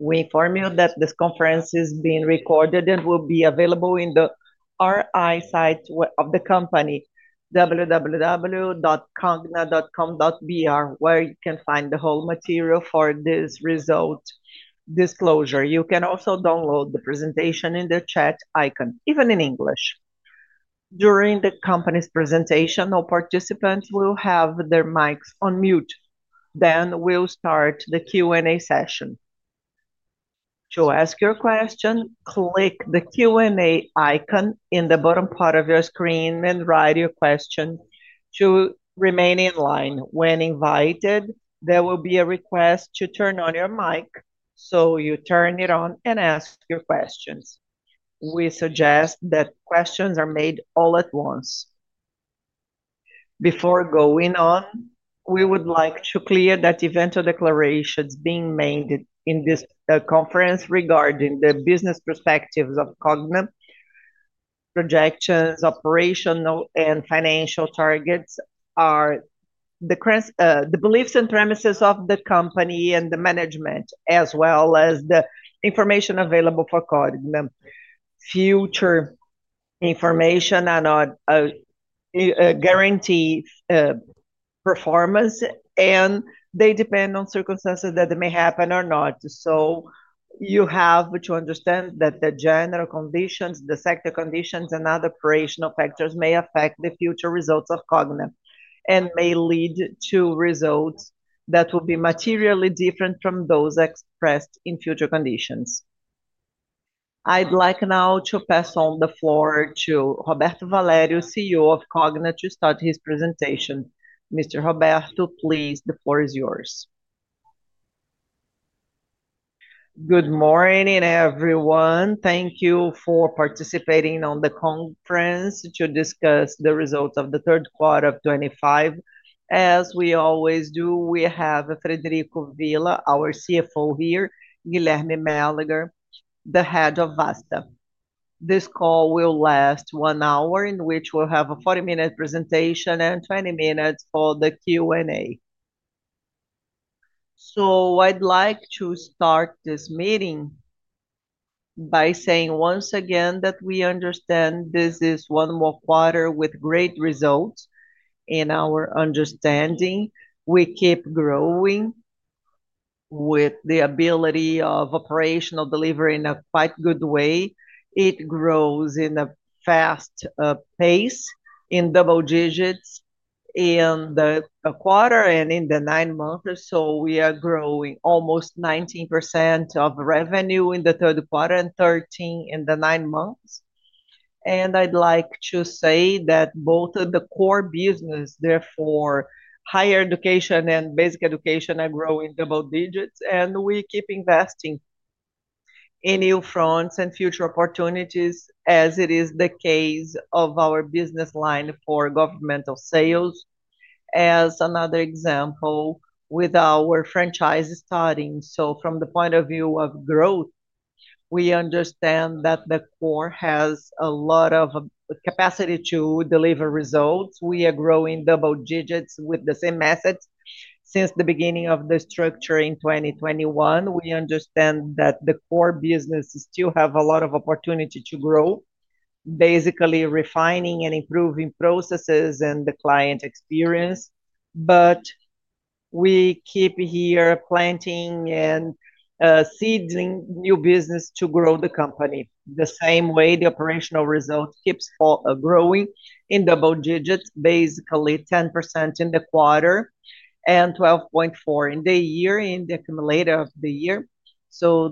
We inform you that this conference is being recorded and will be available in the RI site of the company, www.cogna.com.br, where you can find the whole material for this result disclosure. You can also download the presentation in the chat icon, even in English. During the company's presentation, all participants will have their mics on mute. We will start the Q&A session. To ask your question, click the Q&A icon in the bottom part of your screen and write your question to remain in line. When invited, there will be a request to turn on your mic, so you turn it on and ask your questions. We suggest that questions are made all at once. Before going on, we would like to clear that eventual declarations being made in this conference regarding the business perspectives of Cogna, projections, operational, and financial targets are the beliefs and premises of the company and the management, as well as the information available for Cogna. Future information are not guaranteed performance, and they depend on circumstances that may happen or not. You have to understand that the general conditions, the sector conditions, and other operational factors may affect the future results of Cogna and may lead to results that will be materially different from those expressed in future conditions. I'd like now to pass on the floor to Roberto Valério, CEO of Cogna, to start his presentation. Mr. Roberto, please, the floor is yours. Good morning, everyone. Thank you for participating in the conference to discuss the results of the third quarter of 2025. As we always do, we have Frederico da Cunha Villa, our CFO here, Guilherme Mélega, the head of Vasta. This call will last one hour, in which we'll have a 40-minute presentation and 20 minutes for the Q&A. I would like to start this meeting by saying once again that we understand this is one more quarter with great results in our understanding. We keep growing with the ability of operational delivery in a quite good way. It grows in a fast pace, in double digits in the quarter and in the nine months. We are growing almost 19% of revenue in the third quarter and 13% in the nine months. I'd like to say that both of the core business, therefore higher education and basic education, are growing double digits, and we keep investing in new fronts and future opportunities, as it is the case of our business line for governmental sales, as another example with our franchise starting. From the point of view of growth, we understand that the core has a lot of capacity to deliver results. We are growing double digits with the same methods since the beginning of the structure in 2021. We understand that the core business still has a lot of opportunity to grow, basically refining and improving processes and the client experience. We keep here planting and seeding new business to grow the company the same way the operational result keeps growing in double digits, basically 10% in the quarter and 12.4% in the year in the accumulator of the year.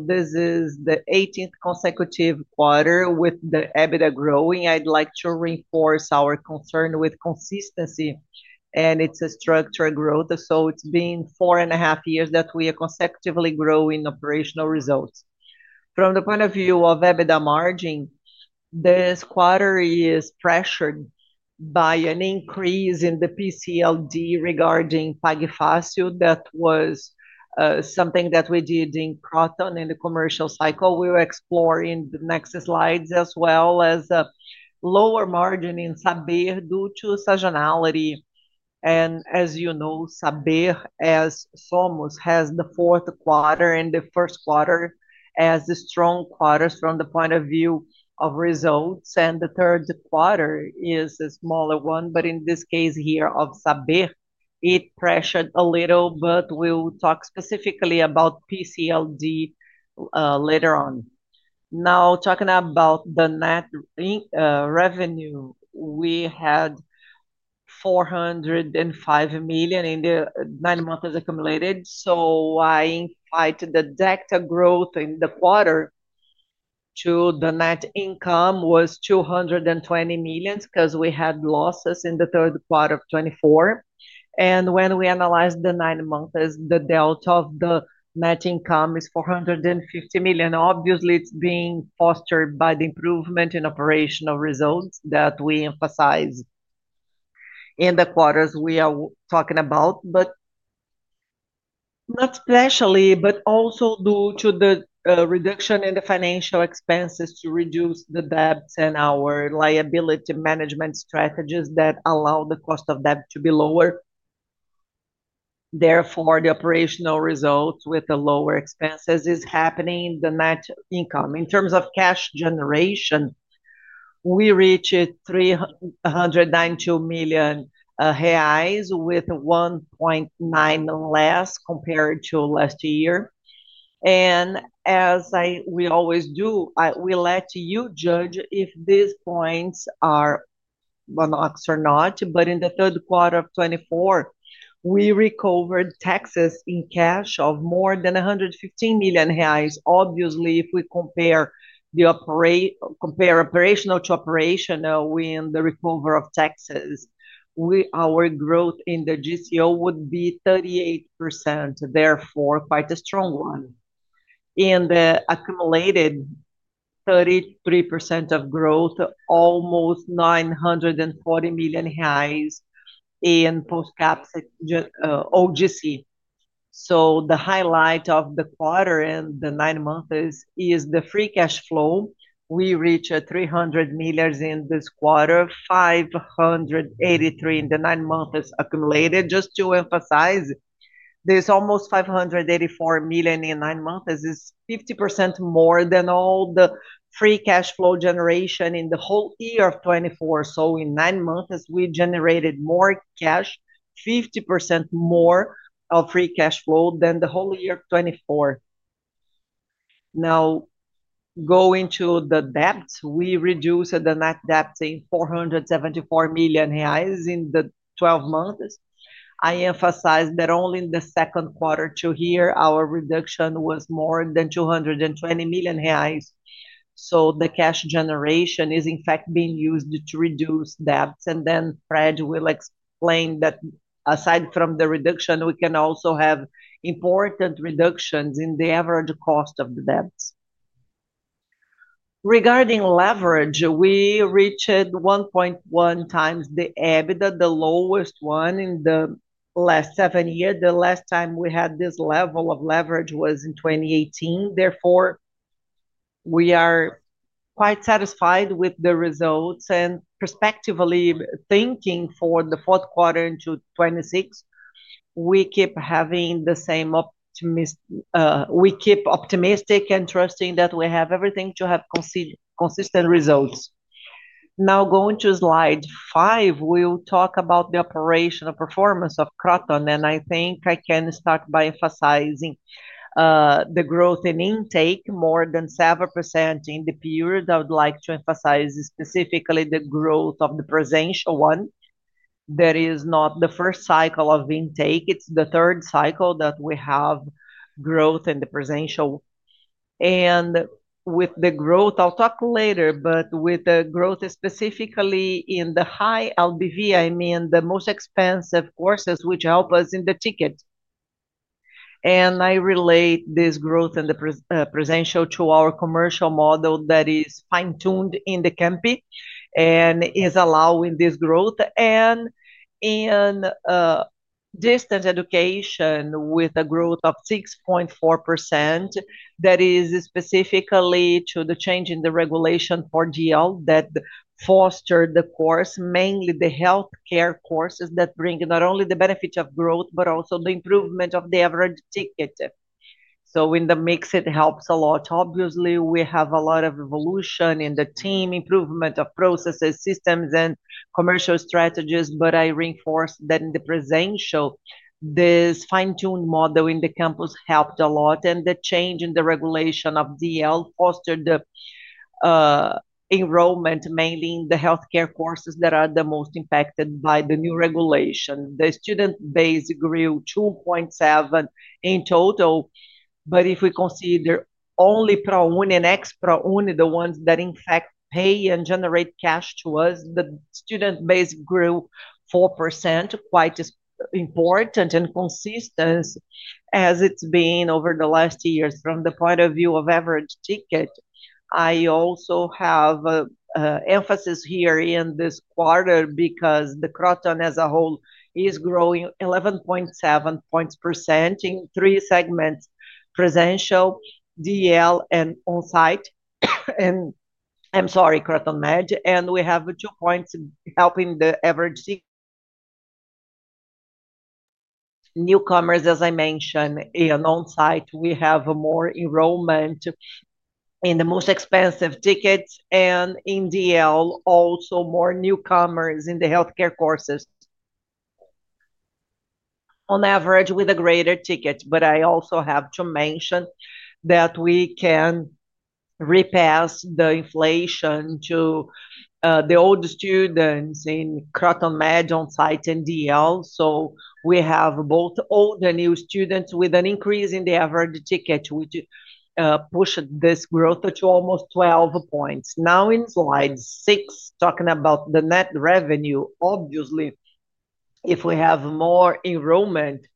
This is the 18th consecutive quarter with the EBITDA growing. I'd like to reinforce our concern with consistency, and it's a structured growth. It's been four and a half years that we are consecutively growing operational results. From the point of view of EBITDA margin, this quarter is pressured by an increase in the PCLD regarding PAGFASIO. That was something that we did in Kroton in the commercial cycle. We will explore in the next slides as well as a lower margin in Saber due to seasonality. As you know, Saber, as SOMOS, has the fourth quarter and the first quarter as strong quarters from the point of view of results. The third quarter is a smaller one, but in this case here of Saber, it pressured a little, but we'll talk specifically about PCLD later on. Now, talking about the net revenue, we had 405 million in the nine months accumulated. I invited the delta growth in the quarter to the net income was 220 million because we had losses in the third quarter of 2024. When we analyze the nine months, the delta of the net income is 450 million. Obviously, it's being fostered by the improvement in operational results that we emphasize in the quarters we are talking about, but not specially, but also due to the reduction in the financial expenses to reduce the debts and our liability management strategies that allow the cost of debt to be lower. Therefore, the operational result with the lower expenses is happening in the net income. In terms of cash generation, we reached 392 million reais with 1.9 million less compared to last year. As we always do, we let you judge if these points are one-off or not. In the third quarter of 2024, we recovered taxes in cash of more than 115 million reais. Obviously, if we compare operational to operational in the recovery of taxes, our growth in the GCO would be 38%, therefore quite a strong one. In the accumulated, 33% of growth, almost 940 million reais in post-cap OGC. The highlight of the quarter and the nine months is the free cash flow. We reached 300 million in this quarter, 583 million in the nine months accumulated. Just to emphasize, this almost 584 million in nine months is 50% more than all the free cash flow generation in the whole year of 2024. In nine months, we generated more cash, 50% more of free cash flow than the whole year of 2024. Now, going to the debts, we reduced the net debt in 474 million reais in the 12 months. I emphasize that only in the second quarter to here, our reduction was more than 220 million reais. The cash generation is, in fact, being used to reduce debts. Fred will explain that aside from the reduction, we can also have important reductions in the average cost of the debts. Regarding leverage, we reached 1.1 times the EBITDA, the lowest one in the last seven years. The last time we had this level of leverage was in 2018. Therefore, we are quite satisfied with the results. Perspectively thinking for the fourth quarter into 2026, we keep optimistic and trusting that we have everything to have consistent results. Now, going to slide five, we'll talk about the operational performance of Kroton. I think I can start by emphasizing the growth in intake, more than 7% in the period. I would like to emphasize specifically the growth of the presencial one. That is not the first cycle of intake. It's the third cycle that we have growth in the presencial. With the growth, I'll talk later, but with the growth specifically in the high LBV, I mean the most expensive courses, which help us in the ticket. I relate this growth in the presencial to our commercial model that is fine-tuned in the CAMPI and is allowing this growth. In distance education with a growth of 6.4%, that is specifically due to the change in the regulation for GL that fostered the course, mainly the healthcare courses that bring not only the benefit of growth, but also the improvement of the average ticket. In the mix, it helps a lot. Obviously, we have a lot of evolution in the team, improvement of processes, systems, and commercial strategies. I reinforce that in the presencial, this fine-tuned model in the campus helped a lot. The change in the regulation of GL fostered the enrollment, mainly in the healthcare courses that are the most impacted by the new regulation. The student base grew 2.7% in total. If we consider only ProUni and ex-ProUni, the ones that in fact pay and generate cash to us, the student base grew 4%, quite important and consistent as it has been over the last years. From the point of view of average ticket, I also have an emphasis here in this quarter because Kroton as a whole is growing 11.7 percentage points in three segments, Presencial, GL, and on-site. I am sorry, Kroton Med. We have two points helping the average ticket. Newcomers, as I mentioned, and on-site, we have more enrollment in the most expensive tickets. In GL, also more newcomers in the healthcare courses. On average, with a greater ticket. I also have to mention that we can repass the inflation to the old students in Kroton Med, on-site, and GL. We have both old and new students with an increase in the average ticket, which pushed this growth to almost 12 percentage points. Now in slide six, talking about the net revenue, obviously, if we have more enrollment.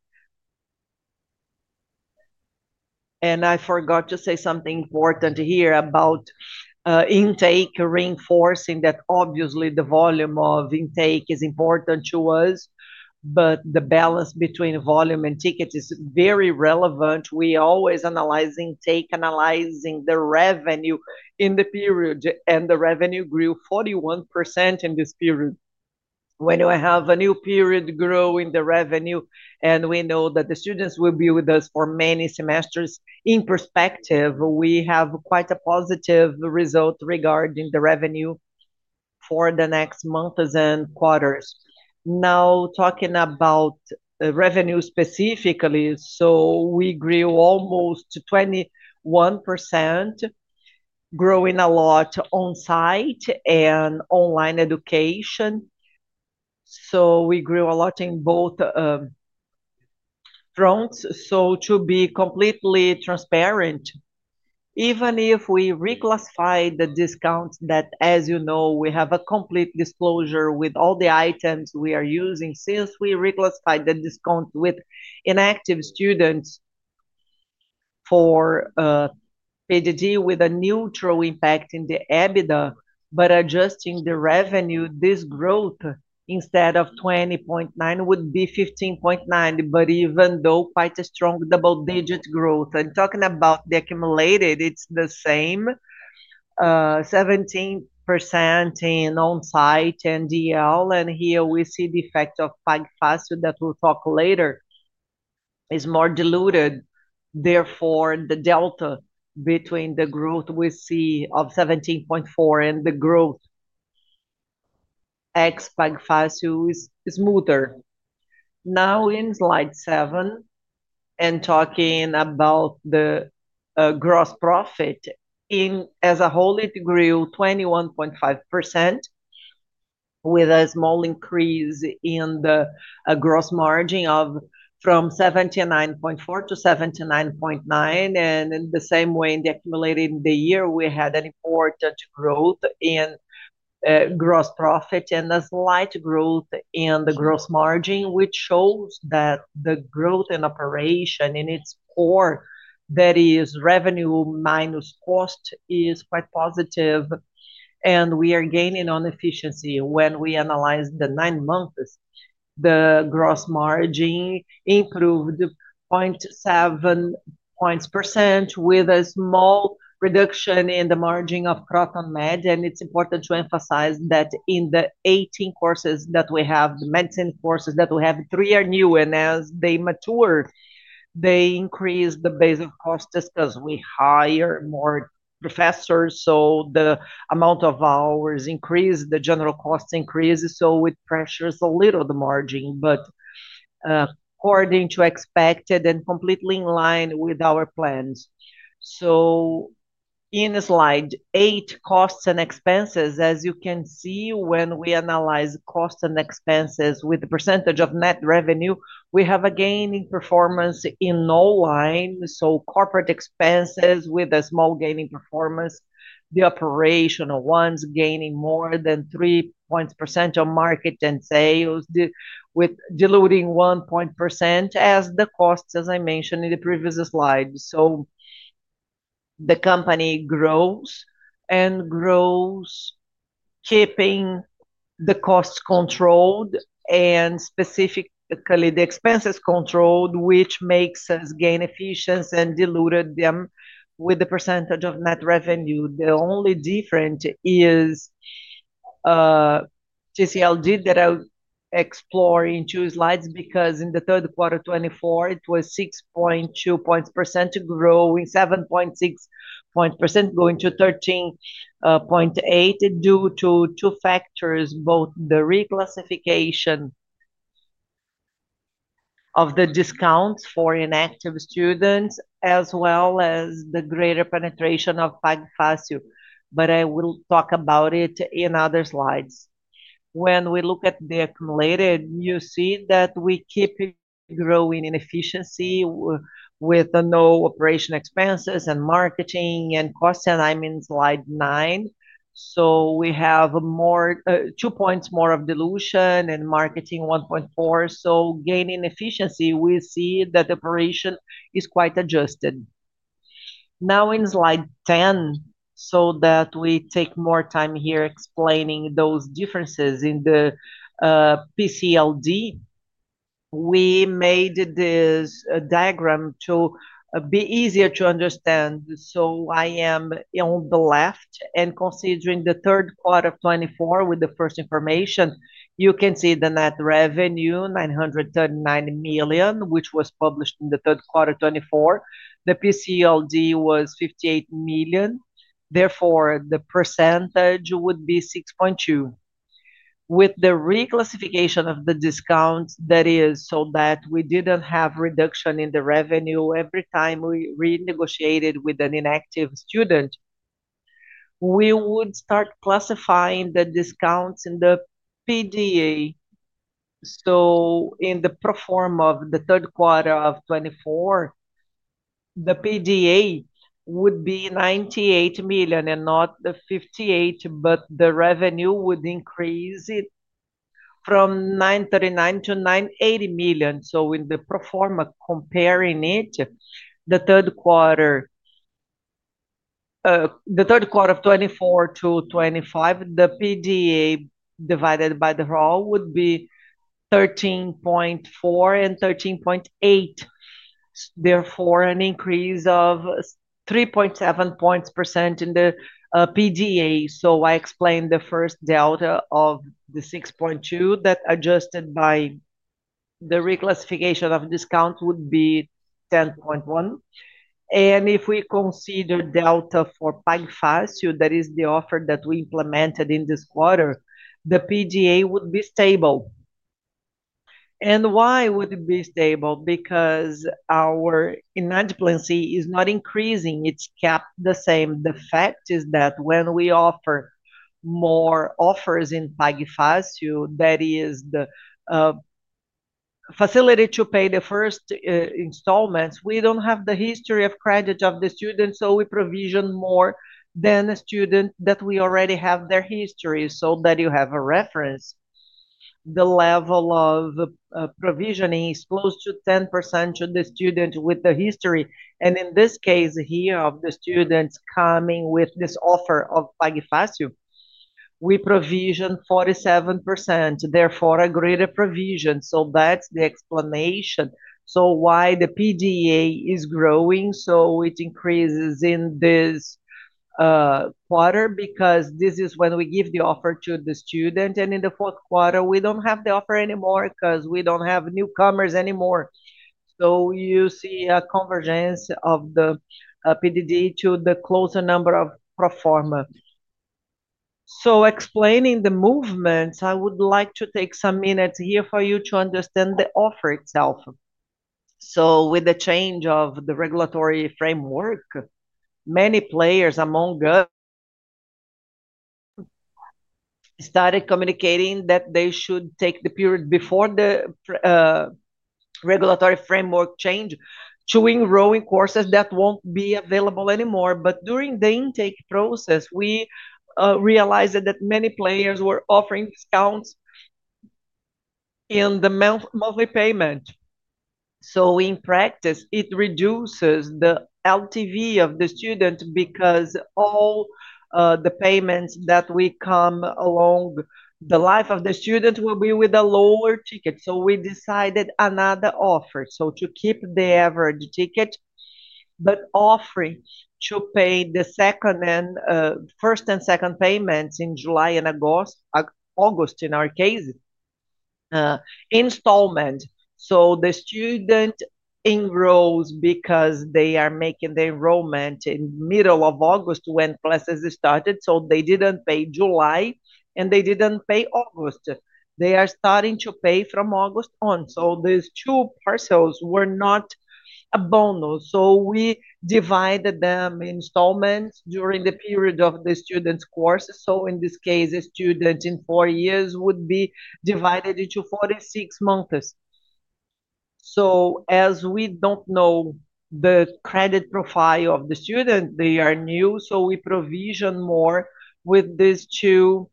I forgot to say something important here about intake, reinforcing that obviously the volume of intake is important to us, but the balance between volume and ticket is very relevant. We always analyze intake, analyzing the revenue in the period, and the revenue grew 41% in this period. When we have a new period growing the revenue, and we know that the students will be with us for many semesters, in perspective, we have quite a positive result regarding the revenue for the next months and quarters. Now, talking about revenue specifically, we grew almost 21%, growing a lot on-site and online education. We grew a lot in both fronts. To be completely transparent, even if we reclassify the discount, as you know, we have a complete disclosure with all the items we are using since we reclassified the discount with inactive students for PDG with a neutral impact in the EBITDA, but adjusting the revenue, this growth instead of 20.9% would be 15.9%, but even though quite a strong double-digit growth. Talking about the accumulated, it is the same, 17% in on-site and GL. Here we see the effect of PAGFASIO that we will talk about later. It is more diluted. Therefore, the delta between the growth we see of 17.4% and the growth ex PAGFASIO is smoother. Now in slide seven, and talking about the gross profit as a whole, it grew 21.5% with a small increase in the gross margin from 79.4% to 79.9%. In the same way, in the accumulated year, we had an important growth in gross profit and a slight growth in the gross margin, which shows that the growth in operation in its core, that is revenue minus cost, is quite positive. We are gaining on efficiency. When we analyze the nine months, the gross margin improved 0.7 percentage points with a small reduction in the margin of Kroton Med. It's important to emphasize that in the 18 courses that we have, the 19 courses that we have, three are new. As they mature, they increase the base of costs because we hire more professors. The amount of hours increases, the general cost increases. It pressures a little the margin, but according to expected and completely in line with our plans. In slide eight, costs and expenses, as you can see, when we analyze costs and expenses with the percentage of net revenue, we have a gain in performance in no line. Corporate expenses with a small gain in performance, the operational ones gaining more than 3 percentage points of market and sales with diluting 1 percentage point as the costs, as I mentioned in the previous slide. The company grows and grows, keeping the costs controlled and specifically the expenses controlled, which makes us gain efficiency and diluted them with the percentage of net revenue. The only difference is PCLD that I'll explore in two slides because in the third quarter 2024, it was 6.2 percentage points to grow in 7.6 percentage points going to 13.8% due to two factors, both the reclassification of the discounts for inactive students as well as the greater penetration of PAGFASIO. I will talk about it in other slides. When we look at the accumulated, you see that we keep growing in efficiency with no operation expenses and marketing and costs. I'm in slide nine. We have two points more of dilution and marketing 1.4. Gaining efficiency, we see that the operation is quite adjusted. Now in slide 10, we take more time here explaining those differences in the PCLD, we made this diagram to be easier to understand. I am on the left. Considering the third quarter of 2024 with the first information, you can see the net revenue, 939 million, which was published in the third quarter 2024. The PCLD was 58 million. Therefore, the percentage would be 6.2%. With the reclassification of the discount, that is so that we did not have reduction in the revenue every time we renegotiated with an inactive student, we would start classifying the discounts in the PDA. In the proforma of the third quarter of 2024, the PDA would be 98 million and not 58 million, but the revenue would increase from 939 million to 980 million. In the proforma comparing the third quarter of 2024 to 2025, the PDA divided by the RO would be 13.4% and 13.8%. Therefore, an increase of 3.7 percentage points in the PDA. I explained the first delta of the 6.2 that adjusted by the reclassification of discount would be 10.1. If we consider delta for PAGFASIO, that is the offer that we implemented in this quarter, the PDA would be stable. Why would it be stable? Because our inadiplancy is not increasing. It's kept the same. The fact is that when we offer more offers in PAGFASIO, that is the facility to pay the first installments, we don't have the history of credit of the student. We provision more than a student that we already have their history. So that you have a reference, the level of provisioning is close to 10% to the student with the history. In this case here of the students coming with this offer of PAGFASIO, we provision 47%. Therefore, a greater provision. That's the explanation. Why is the PDA growing? It increases in this quarter because this is when we give the offer to the student. In the fourth quarter, we do not have the offer anymore because we do not have newcomers anymore. You see a convergence of the PDD to the closer number of proforma. Explaining the movements, I would like to take some minutes here for you to understand the offer itself. With the change of the regulatory framework, many players among us started communicating that they should take the period before the regulatory framework change to enroll in courses that will not be available anymore. During the intake process, we realized that many players were offering discounts in the monthly payment. In practice, it reduces the LTV of the student because all the payments that we come along the life of the student will be with a lower ticket. We decided another offer to keep the average ticket, but offering to pay the first and second payments in July and August, August in our case, installment. The student enrolls because they are making the enrollment in the middle of August when classes started. They did not pay July and they did not pay August. They are starting to pay from August on. These two parcels were not a bonus. We divided them in installments during the period of the student's courses. In this case, a student in four years would be divided into 46 months. As we do not know the credit profile of the student, they are new. We provision more with these two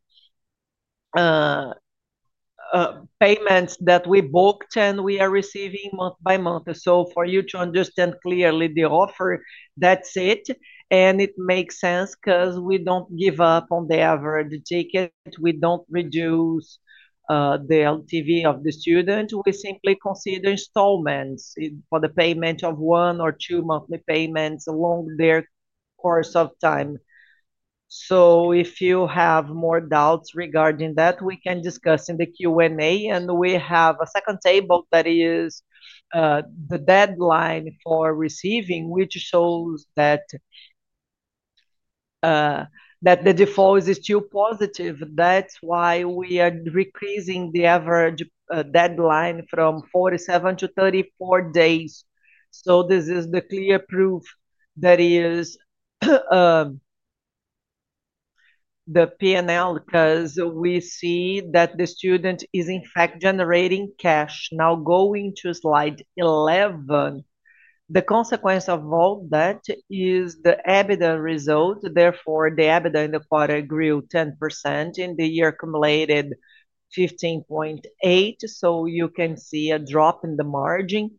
payments that we booked and we are receiving month by month. For you to understand clearly the offer, that's it. It makes sense because we do not give up on the average ticket. We do not reduce the LTV of the student. We simply consider installments for the payment of one or two monthly payments along their course of time. If you have more doubts regarding that, we can discuss in the Q&A. We have a second table that is the deadline for receiving, which shows that the default is still positive. That is why we are decreasing the average deadline from 47 to 34 days. This is the clear proof that is the P&L because we see that the student is in fact generating cash. Now going to slide 11, the consequence of all that is the EBITDA result. Therefore, the EBITDA in the quarter grew 10% in the year accumulated 15.8. You can see a drop in the margin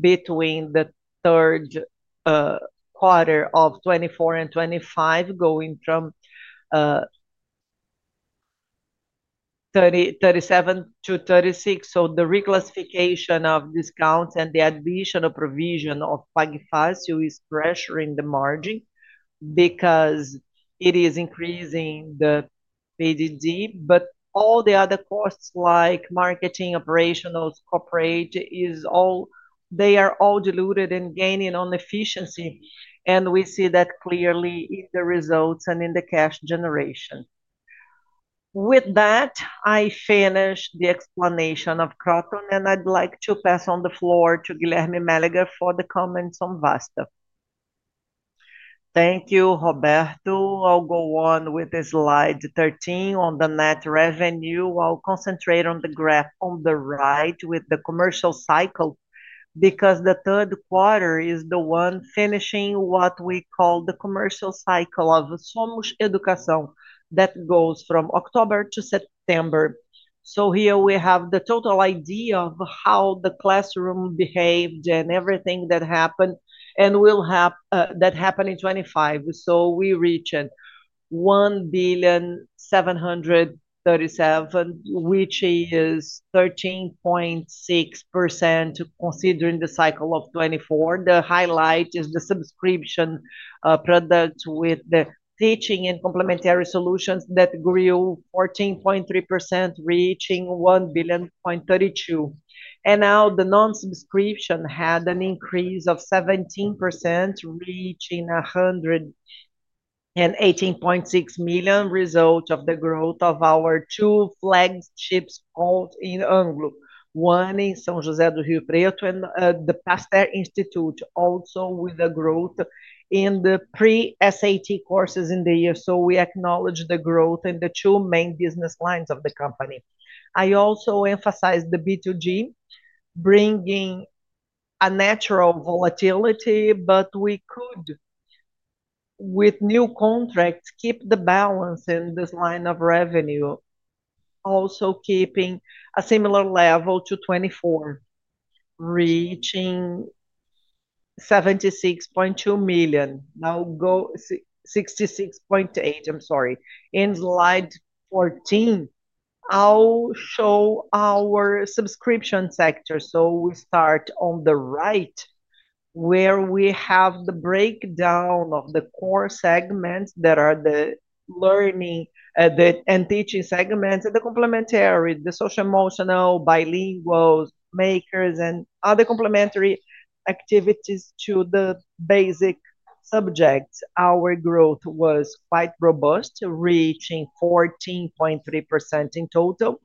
between the third quarter of 2024 and 2025 going from 37% to 36%. The reclassification of discounts and the additional provision of PAGFASIO is pressuring the margin because it is increasing the PCLD. All the other costs like marketing, operationals, corporate, they are all diluted and gaining on efficiency. We see that clearly in the results and in the cash generation. With that, I finished the explanation of Kroton. I would like to pass on the floor to Guilherme Mélega for the comments on Vasta. Thank you, Roberto. I will go on with slide 13 on the net revenue. I'll concentrate on the graph on the right with the commercial cycle because the third quarter is the one finishing what we call the commercial cycle of SOMOS Educação that goes from October to September. Here we have the total idea of how the classroom behaved and everything that happened and will happen in 2025. We reached 1 billion 737 million, which is 13.6% considering the cycle of 2024. The highlight is the subscription product with the teaching and complementary solutions that grew 14.3%, reaching 1 billion 32 million. Now the non-subscription had an increase of 17%, reaching 118.6 million, result of the growth of our two flagships in Anglo, one in São José do Rio Preto and the Pasteur Institute, also with the growth in the pre-university preparatory courses in the year. We acknowledge the growth in the two main business lines of the company. I also emphasize the B2G bringing a natural volatility, but we could, with new contracts, keep the balance in this line of revenue, also keeping a similar level to 2024, reaching 76.2 million. Now go 66.8 million, I'm sorry. In slide 14, I'll show our subscription sector. We start on the right where we have the breakdown of the core segments that are the learning and teaching segments, the complementary, the social-emotional, bilinguals, makers, and other complementary activities to the basic subjects. Our growth was quite robust, reaching 14.3% in total.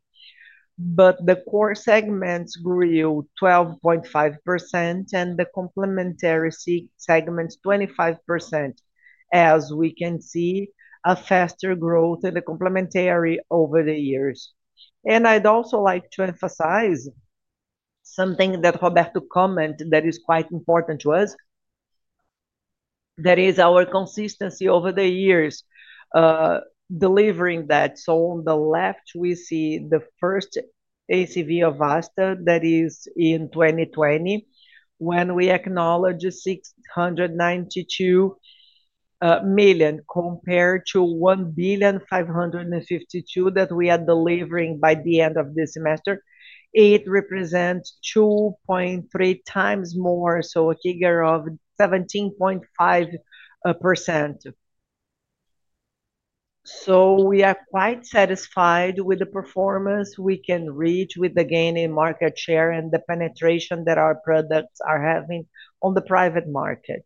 The core segments grew 12.5% and the complementary segments 25%, as we can see a faster growth in the complementary over the years. I'd also like to emphasize something that Roberto commented that is quite important to us, that is our consistency over the years delivering that. On the left, we see the first ACV of Vasta that is in 2020 when we acknowledge 692 million compared to 1 billion 552 million that we are delivering by the end of this semester. It represents 2.3 times more, so a figure of 17.5%. We are quite satisfied with the performance we can reach with the gain in market share and the penetration that our products are having on the private market.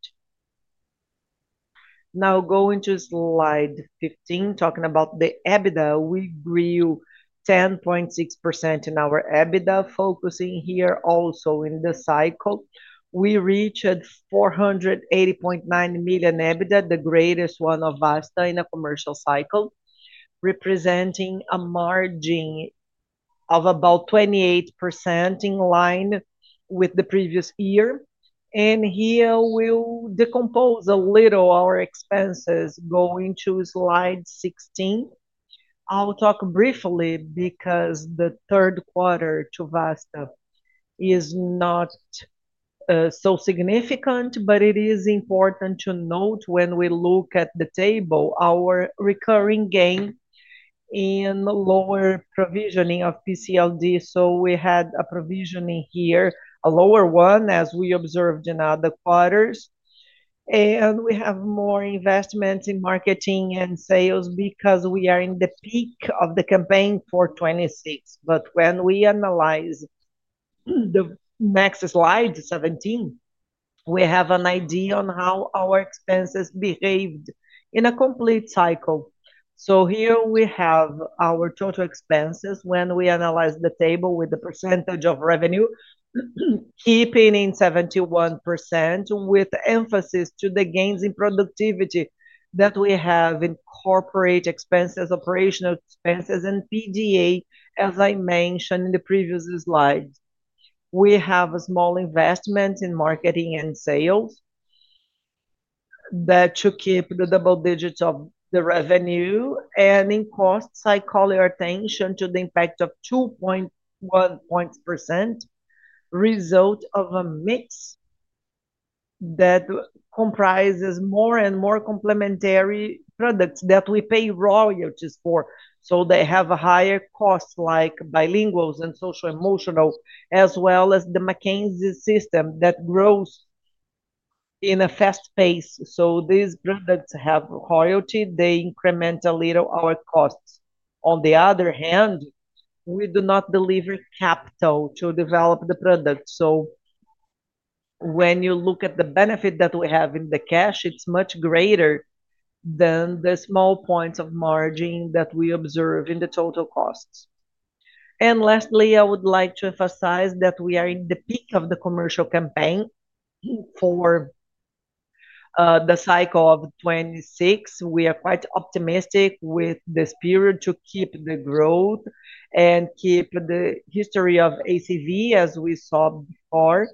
Now going to slide 15, talking about the EBITDA, we grew 10.6% in our EBITDA, focusing here also in the cycle. We reached 480.9 million EBITDA, the greatest one of Vasta in a commercial cycle, representing a margin of about 28% in line with the previous year. Here we will decompose a little our expenses going to slide 16. I'll talk briefly because the third quarter to Vasta is not so significant, but it is important to note when we look at the table, our recurring gain in lower provisioning of PCLD. We had a provisioning here, a lower one as we observed in other quarters. We have more investment in marketing and sales because we are in the peak of the campaign for 2026. When we analyze the next slide, 17, we have an idea on how our expenses behaved in a complete cycle. Here we have our total expenses when we analyze the table with the percentage of revenue, keeping in 71% with emphasis to the gains in productivity that we have in corporate expenses, operational expenses, and PDA, as I mentioned in the previous slides. We have a small investment in marketing and sales that should keep the double digits of the revenue. In costs, I call your attention to the impact of 2.1% result of a mix that comprises more and more complementary products that we pay royalties for. They have a higher cost like bilinguals and social-emotional, as well as the McKinsey system that grows in a fast pace. These products have royalty. They increment a little our costs. On the other hand, we do not deliver capital to develop the product. When you look at the benefit that we have in the cash, it is much greater than the small points of margin that we observe in the total costs. Lastly, I would like to emphasize that we are in the peak of the commercial campaign for the cycle of 2026. We are quite optimistic with this period to keep the growth and keep the history of ACV as we saw before.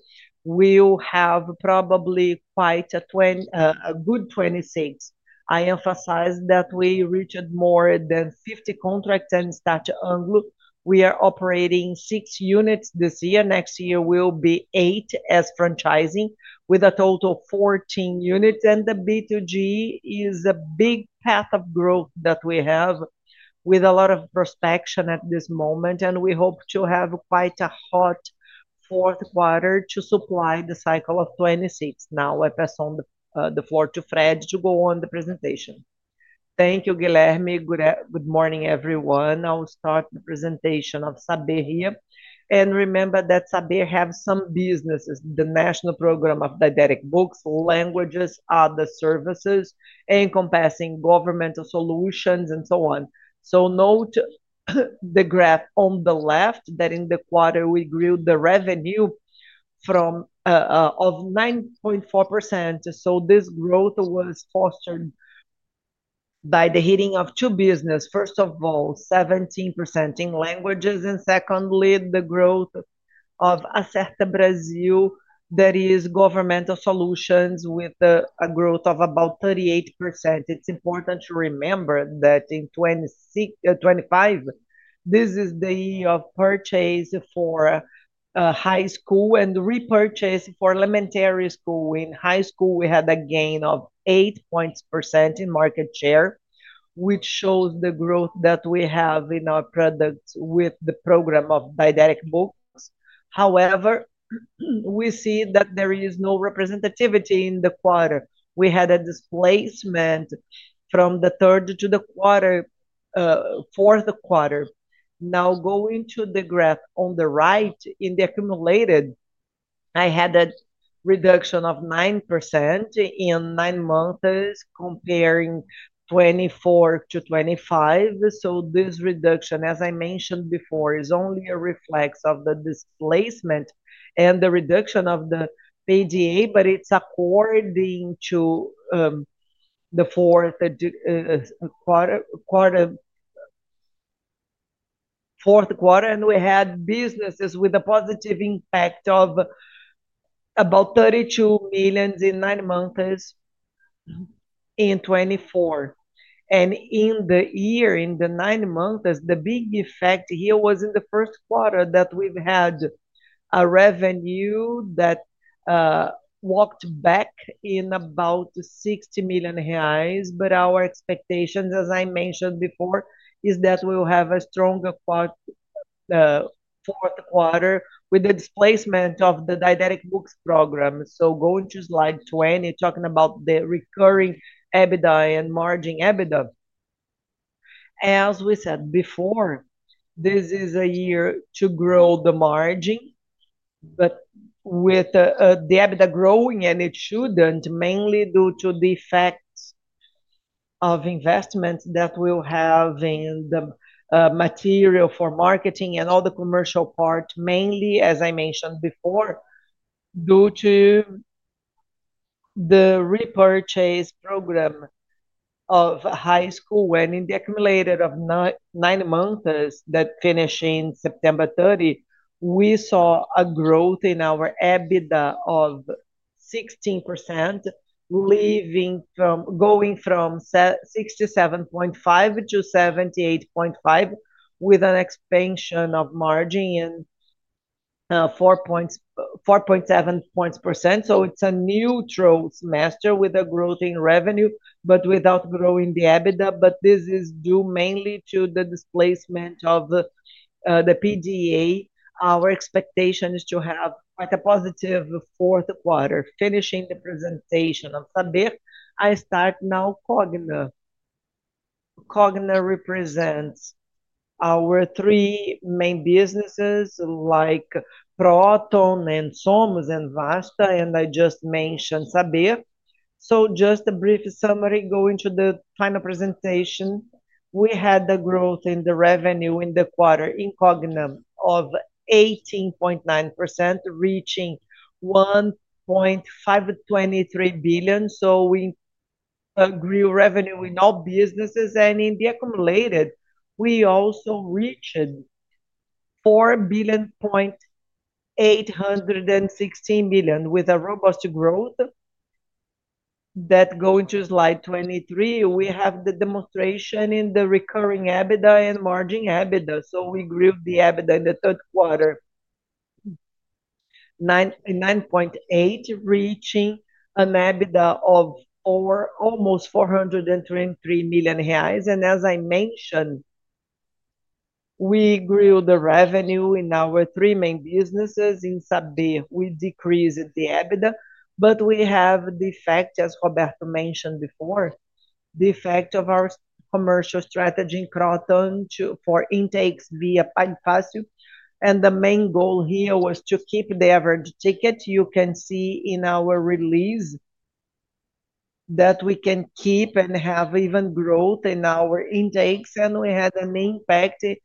We will have probably quite a good 2026. I emphasize that we reached more than 50 contracts and started Anglo. We are operating six units this year. Next year will be eight as franchising with a total of 14 units. The B2G is a big path of growth that we have with a lot of prospection at this moment. We hope to have quite a hot fourth quarter to supply the cycle of 2026. Now I pass on the floor to Fred to go on the presentation. Thank you, Guilherme. Good morning, everyone. I will start the presentation of Saber here. Remember that Saber has some businesses, the National Program of Didactic Books, Languages, Other Services, encompassing Governmental Solutions, and so on. Note the graph on the left that in the quarter we grew the revenue of 9.4%. This growth was fostered by the hitting of two businesses. First of all, 17% in languages. Secondly, the growth of Acerta Brasil, that is Governmental Solutions, with a growth of about 38%. It is important to remember that in 2025, this is the year of purchase for high school and repurchase for elementary school. In high school, we had a gain of 8.4% in market share, which shows the growth that we have in our products with the program of Didactic Books. However, we see that there is no representativity in the quarter. We had a displacement from the third to the fourth quarter. Now going to the graph on the right, in the accumulated, I had a reduction of 9% in nine months comparing 2024 to 2025. This reduction, as I mentioned before, is only a reflex of the displacement and the reduction of the PDA, but it is according to the fourth quarter. We had businesses with a positive impact of about 32 million in nine months in 2024. In the year, in the nine months, the big effect here was in the first quarter that we have had a revenue that walked back in about 60 million reais. Our expectations, as I mentioned before, are that we will have a stronger fourth quarter with the displacement of the Didactic Books program. Going to slide 20, talking about the recurring EBITDA and margin EBITDA. As we said before, this is a year to grow the margin, but with the EBITDA growing, and it should not, mainly due to the effects of investments that we will have in the material for marketing and all the commercial part, mainly, as I mentioned before, due to the repurchase program of high school. In the accumulated of nine months that finish in September 30, we saw a growth in our EBITDA of 16%, going from 67.5 million to 78.5 million with an expansion of margin in 4.7%. It is a neutral semester with a growth in revenue, but without growing the EBITDA. This is due mainly to the displacement of the PDA. Our expectation is to have a positive fourth quarter finishing the presentation of Saber. I start now Cogna. Cogna represents our three main businesses like Kroton and SOMOS and Vasta, and I just mentioned Saber. Just a brief summary going to the final presentation. We had a growth in the revenue in the quarter in Cogna of 18.9%, reaching 1.523 billion. We grew revenue in all businesses. In the accumulated, we also reached 4.816 billion with a robust growth. Going to slide 23, we have the demonstration in the recurring EBITDA and margin EBITDA. We grew the EBITDA in the third quarter, 9.8%, reaching an EBITDA of almost 423 million reais. As I mentioned, we grew the revenue in our three main businesses. In Saber, we decreased the EBITDA, but we have the effect, as Roberto mentioned before, the effect of our commercial strategy in Kroton for intakes via PAGFASIO. The main goal here was to keep the average ticket. You can see in our release that we can keep and have even growth in our intakes. We had an impact in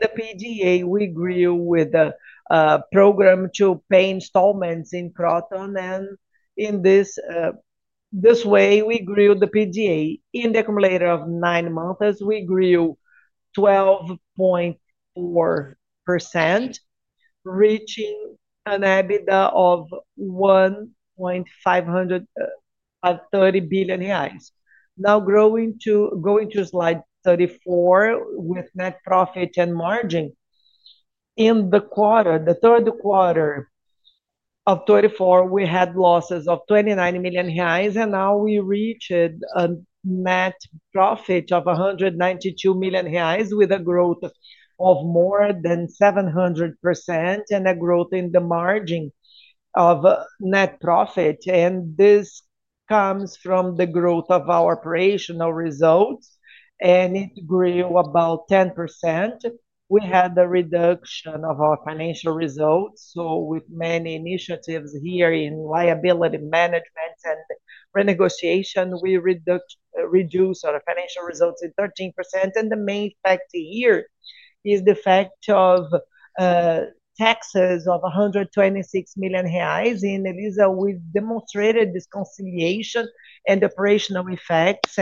the PDA. We grew with a program to pay installments in Kroton. In this way, we grew the PDA. In the accumulated of nine months, we grew 12.4%, reaching an EBITDA of 1.530 billion reais. Now going to slide 34 with net profit and margin. In the third quarter of 2024, we had losses of 29 million reais. Now we reached a net profit of 192 million reais with a growth of more than 700% and a growth in the margin of net profit. This comes from the growth of our operational results, and it grew about 10%. We had a reduction of our financial results. With many initiatives here in liability management and renegotiation, we reduced our financial results in 13%. The main effect here is the effect of taxes of 126 million reais. Elisa, we demonstrated this conciliation and operational effects.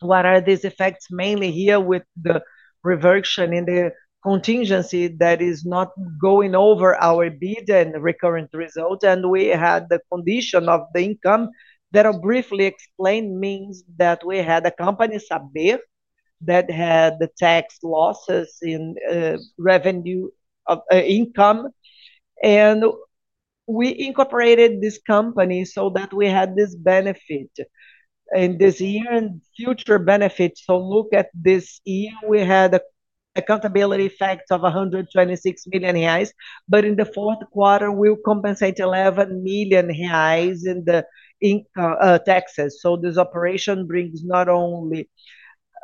What are these effects? Mainly here with the reversion in the contingency that is not going over our bid and recurrent results. We had the condition of the income that I'll briefly explain, which means that we had a company, Saber, that had the tax losses in revenue of income. We incorporated this company so that we had this benefit in this year and future benefit. Look at this year, we had an accountability effect of 126 million reais. In the fourth quarter, we'll compensate 11 million reais in the taxes. This operation brings not only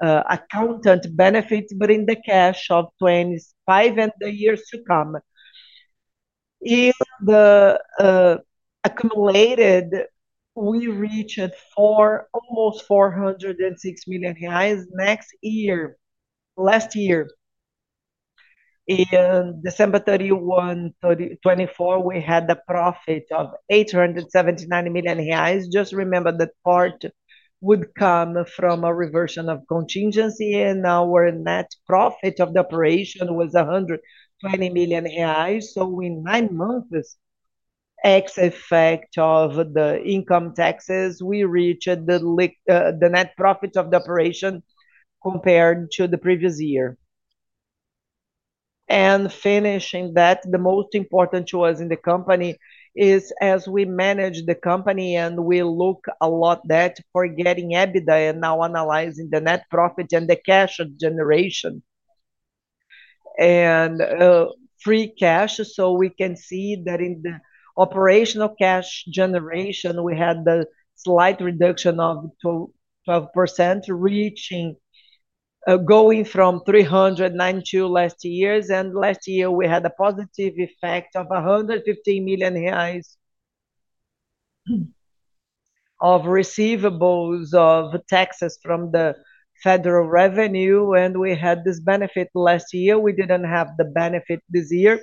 accountant benefits, but in the cash of 2025 and the years to come. In the accumulated, we reached almost 406 million reais next year. Last year, in December 31, 2024, we had a profit of 879 million reais. Just remember that part would come from a reversion of contingency. And our net profit of the operation was 120 million reais. In nine months, X effect of the income taxes, we reached the net profit of the operation compared to the previous year. Finishing that, the most important choice in the company is, as we manage the company and we look a lot that for getting EBITDA and now analyzing the net profit and the cash generation and free cash. We can see that in the operational cash generation, we had the slight reduction of 12%, going from 392 million last year. Last year, we had a positive effect of 115 million reais of receivables of taxes from the federal revenue. We had this benefit last year. We did not have the benefit this year,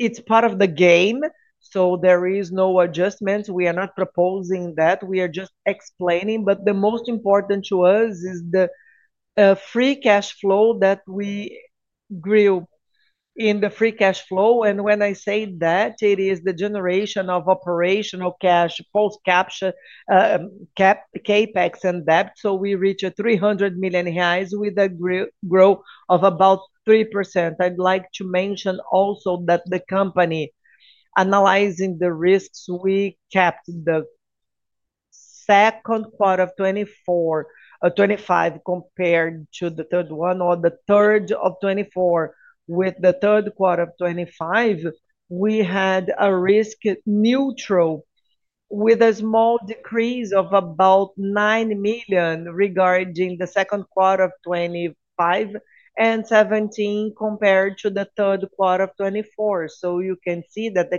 but it is part of the game. There is no adjustment. We are not proposing that. We are just explaining. The most important choice is the free cash flow, that we grew in the free cash flow. When I say that, it is the generation of operational cash, post-capture CapEx and debt. We reached 300 million reais with a growth of about 3%. I would like to mention also that the company, analyzing the risks, we capped the second quarter of 2024-2025 compared to the third one or the third of 2024. With the third quarter of 2025, we had a risk neutral with a small decrease of about 9 million regarding the second quarter of 2025 and 2017 compared to the third quarter of 2024. You can see that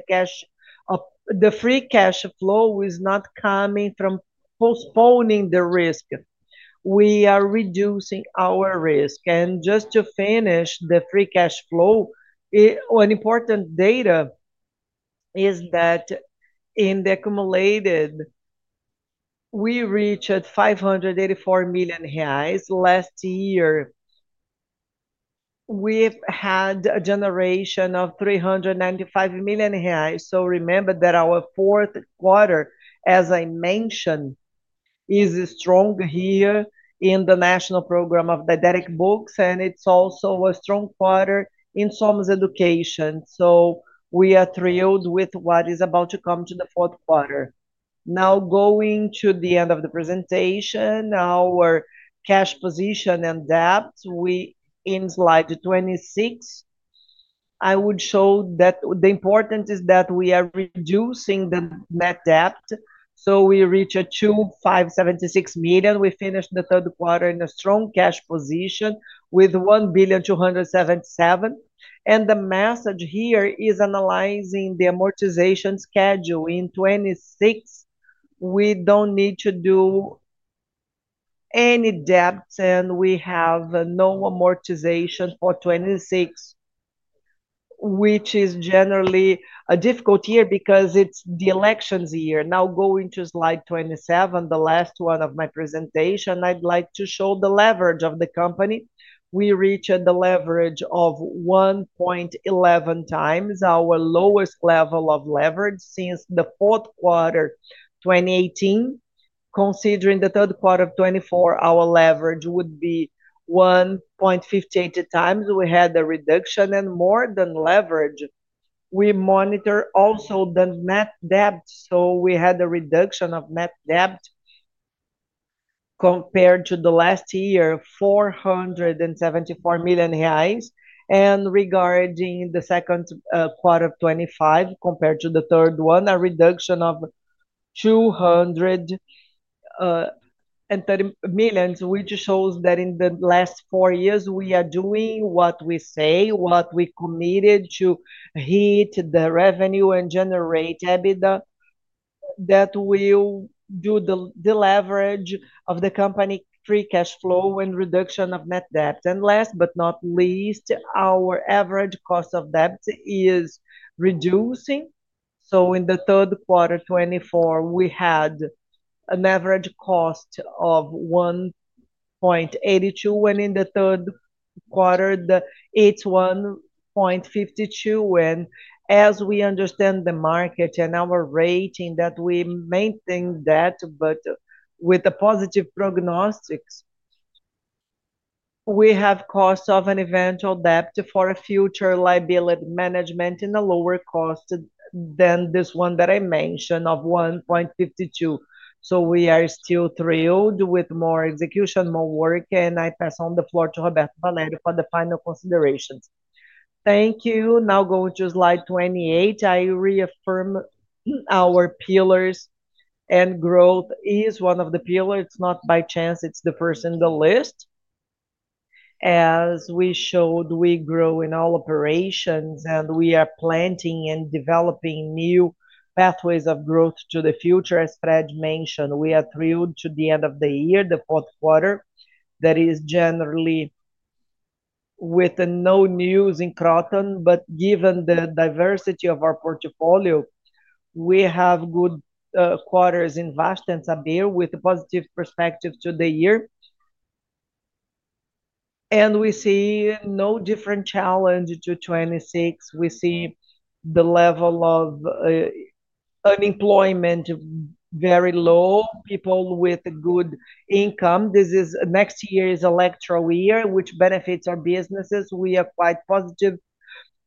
the free cash flow is not coming from postponing the risk. We are reducing our risk. Just to finish the free cash flow, an important data is that in the accumulated, we reached 584 million reais. Last year, we had a generation of 395 million reais. Remember that our fourth quarter, as I mentioned, is strong here in the National Program of Didactic Books. It is also a strong quarter in SOMOS Educação. We are thrilled with what is about to come to the fourth quarter. Now going to the end of the presentation, our cash position and debt, in slide 26, I would show that the important thing is that we are reducing the net debt. We reached 2,576 million. We finished the third quarter in a strong cash position with 1,277 million. The message here is analyzing the amortization schedule. In 2026, we do not need to do any debt, and we have no amortization for 2026, which is generally a difficult year because it is the elections year. Now going to slide 27, the last one of my presentation, I would like to show the leverage of the company. We reached the leverage of 1.11 times, our lowest level of leverage since the fourth quarter 2018. Considering the third quarter of 2024, our leverage would be 1.58 times. We had a reduction in more than leverage. We monitor also the net debt. So we had a reduction of net debt compared to the last year, 474 million reais. Regarding the second quarter of 2025, compared to the third one, a reduction of 230 million, which shows that in the last four years, we are doing what we say, what we committed to hit the revenue and generate EBITDA, that we will do the leverage of the company free cash flow and reduction of net debt. Last but not least, our average cost of debt is reducing. In the third quarter 2024, we had an average cost of 1.82, and in the third quarter, the 81.52. As we understand the market and our rating that we maintain debt, but with the positive prognostics, we have cost of an eventual debt for a future liability management in a lower cost than this one that I mentioned of 1.52. We are still thrilled with more execution, more work, and I pass on the floor to Roberto Valério for the final considerations. Thank you. Now going to slide 28, I reaffirm our pillars and growth is one of the pillars. It is not by chance. It is the first in the list. As we showed, we grow in all operations, and we are planting and developing new pathways of growth to the future, as Fred mentioned. We are thrilled to the end of the year, the fourth quarter, that is generally with no news in Kroton. Given the diversity of our portfolio, we have good quarters in Vasta and Saber with a positive perspective to the year. We see no different challenge to 2026. We see the level of unemployment very low, people with good income. This next year is an electoral year, which benefits our businesses. We are quite positive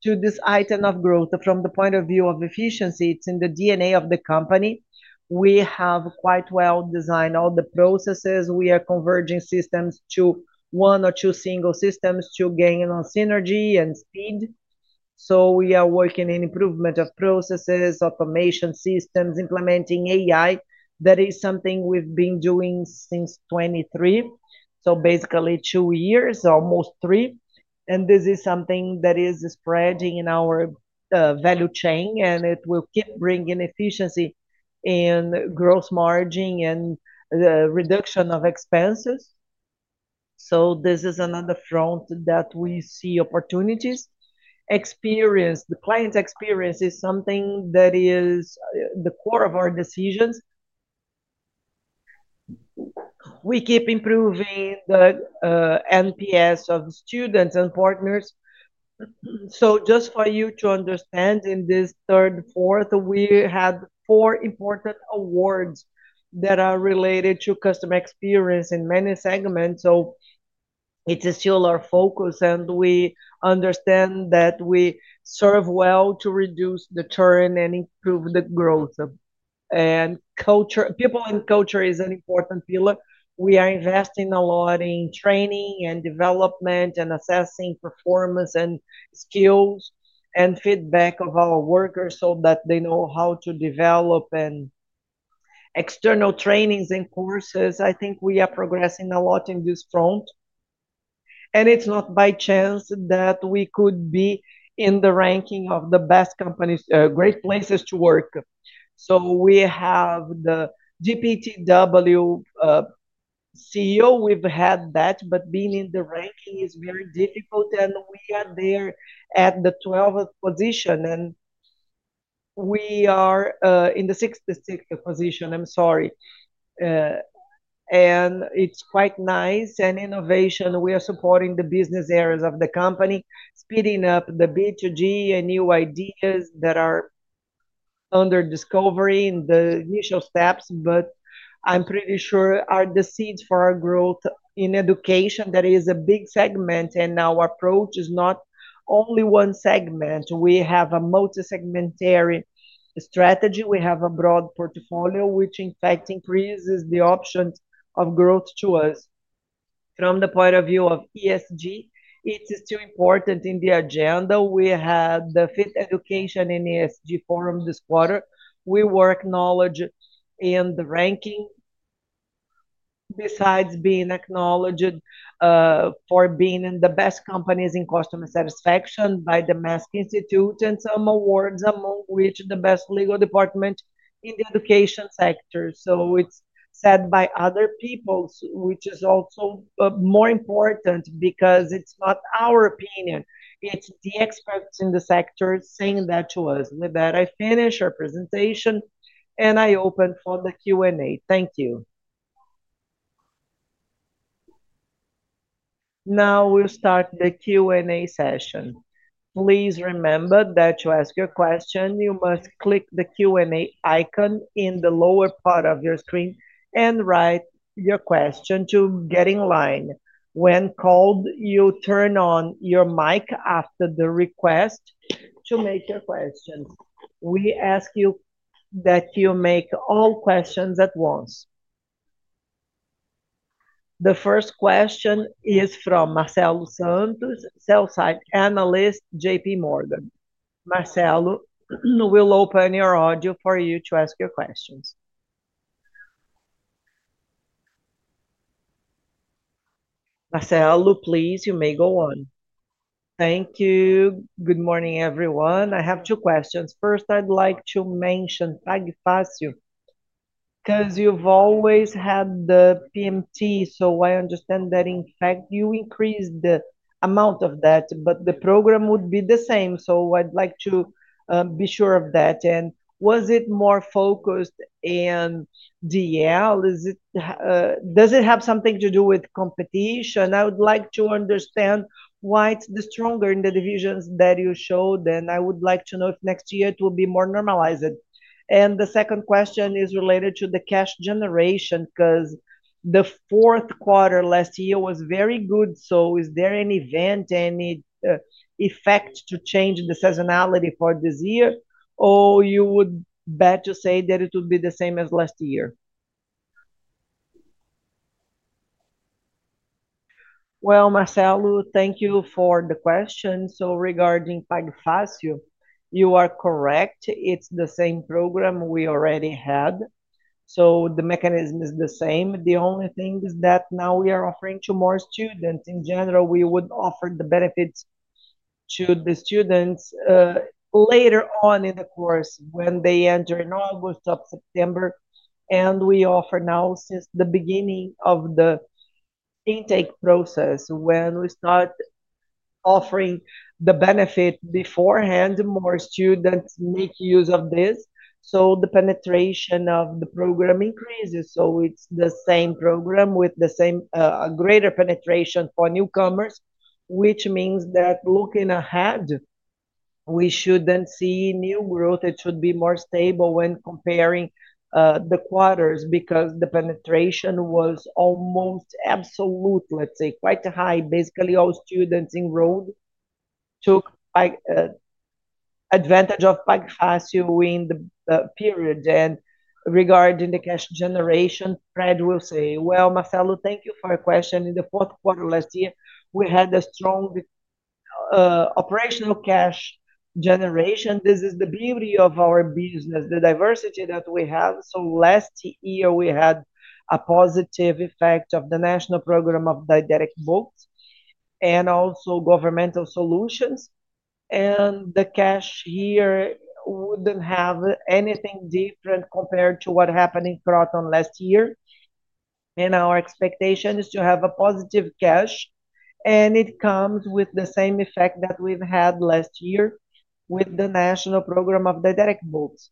to this item of growth. From the point of view of efficiency, it's in the DNA of the company. We have quite well designed all the processes. We are converging systems to one or two single systems to gain on synergy and speed. We are working in improvement of processes, automation systems, implementing AI. That is something we've been doing since 2023. Basically two years, almost three. This is something that is spreading in our value chain, and it will keep bringing efficiency in gross margin and reduction of expenses. This is another front that we see opportunities. Experience, the client experience is something that is the core of our decisions. We keep improving the NPS of students and partners. Just for you to understand, in this third, fourth, we had four important awards that are related to customer experience in many segments. It is a similar focus, and we understand that we serve well to reduce the churn and improve the growth. People and culture is an important pillar. We are investing a lot in training and development and assessing performance and skills and feedback of our workers so that they know how to develop and external trainings and courses. I think we are progressing a lot in this front. It is not by chance that we could be in the ranking of the best companies, great places to work. We have the GPTW CEO. We have had that, but being in the ranking is very difficult. We are there at the 12th position, and we are in the 66th position. I'm sorry. It is quite nice and innovation. We are supporting the business areas of the company, speeding up the B2G and new ideas that are under discovery in the initial steps. I am pretty sure are the seeds for our growth in education. That is a big segment, and our approach is not only one segment. We have a multi-segmentary strategy. We have a broad portfolio, which in fact increases the options of growth to us. From the point of view of ESG, it is too important in the agenda. We had the Fit Education and ESG Forum this quarter. We were acknowledged in the ranking besides being acknowledged for being in the best companies in customer satisfaction by the Mask Institute and some awards, among which the best legal department in the education sector. It is said by other people, which is also more important because it is not our opinion. It's the experts in the sector saying that to us. With that, I finish our presentation, and I open for the Q&A. Thank you. Now we'll start the Q&A session. Please remember that to ask your question, you must click the Q&A icon in the lower part of your screen and write your question to get in line. When called, you turn on your mic after the request to make your questions. We ask you that you make all questions at once. The first question is from Marcelo Santos, sales analyst, JPMorgan. Marcelo, we'll open your audio for you to ask your questions. Marcelo, please, you may go on. Thank you. Good morning, everyone. I have two questions. First, I'd like to mention PAGFASIO because you've always had the PMT. I understand that in fact, you increased the amount of that, but the program would be the same. I would like to be sure of that. Was it more focused in DL? Does it have something to do with competition? I would like to understand why it is stronger in the divisions that you showed. I would like to know if next year it will be more normalized. The second question is related to the cash generation because the fourth quarter last year was very good. Is there any event, any effect to change the seasonality for this year? Or would you say that it would be the same as last year? Marcelo, thank you for the question. Regarding PAGFASIO, you are correct. It is the same program we already had. The mechanism is the same. The only thing is that now we are offering to more students. In general, we would offer the benefits to the students later on in the course when they enter in August or September. We offer now since the beginning of the intake process when we start offering the benefit beforehand, more students make use of this. The penetration of the program increases. It is the same program with the same greater penetration for newcomers, which means that looking ahead, we should not see new growth. It should be more stable when comparing the quarters because the penetration was almost absolute, let's say, quite high. Basically, all students enrolled took advantage of PAGFASIO in the period. Regarding the cash generation, Fred will say, " Marcelo, thank you for your question. In the fourth quarter last year, we had a strong operational cash generation. This is the beauty of our business, the diversity that we have. Last year, we had a positive effect of the National Program of Didactic Books and also governmental solutions. The cash here would not have anything different compared to what happened in Kroton last year. Our expectation is to have a positive cash. It comes with the same effect that we had last year with the National Program of Didactic Books.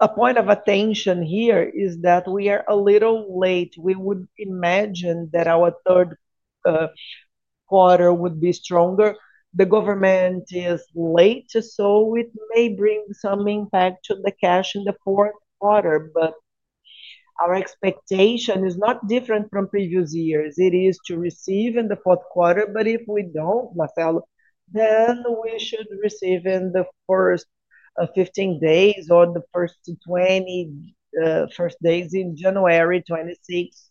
A point of attention here is that we are a little late. We would imagine that our third quarter would be stronger. The government is late. It may bring some impact to the cash in the fourth quarter. Our expectation is not different from previous years. It is to receive in the fourth quarter. If we do not, Marcelo, then we should receive in the first 15 days or the first 20 days in January 2026.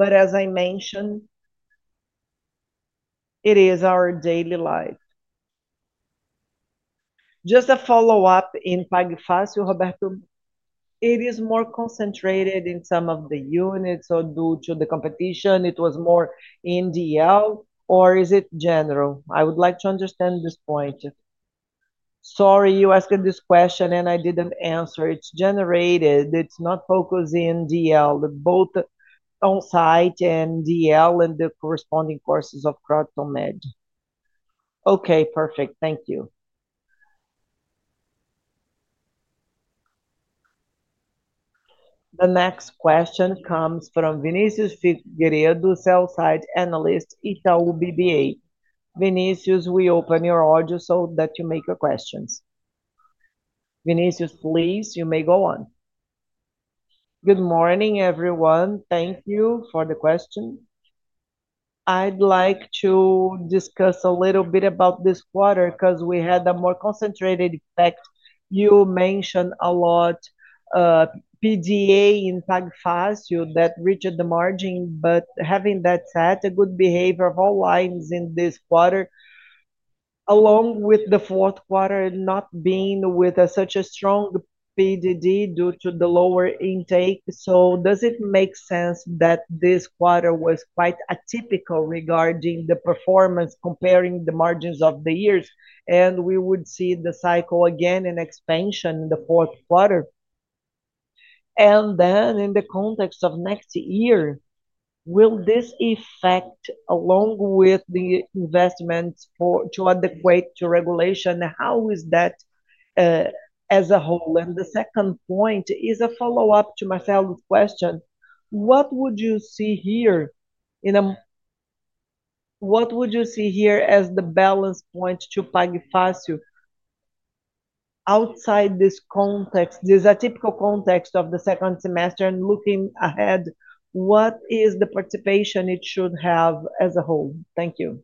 As I mentioned, it is our daily life. Just a follow-up in PAGFASIO, Roberto, it is more concentrated in some of the units. Due to the competition, it was more in DL, or is it general? I would like to understand this point. Sorry, you asked this question, and I did not answer. It is general. It is not focused in DL, both on-site and DL and the corresponding courses of Kroton Med. Okay, perfect. Thank you. The next question comes from Vinícius Figueiredo, sales side analyst, Itaú BBA. Vinícius, we open your audio so that you make your questions. Vinícius, please, you may go on. Good morning, everyone. Thank you for the question. I'd like to discuss a little bit about this quarter because we had a more concentrated effect. You mentioned a lot of PCLD and PAGFASIO that reached the margin. Having that said, a good behavior of all lines in this quarter, along with the fourth quarter not being with such a strong PCLD due to the lower intake. Does it make sense that this quarter was quite atypical regarding the performance comparing the margins of the years? We would see the cycle again in expansion in the fourth quarter. In the context of next year, will this effect, along with the investments to adequate to regulation, how is that as a whole? The second point is a follow-up to Marcelo's question. What would you see here as the balance point to PAGFASIO outside this context? This atypical context of the second semester and looking ahead, what is the participation it should have as a whole? Thank you.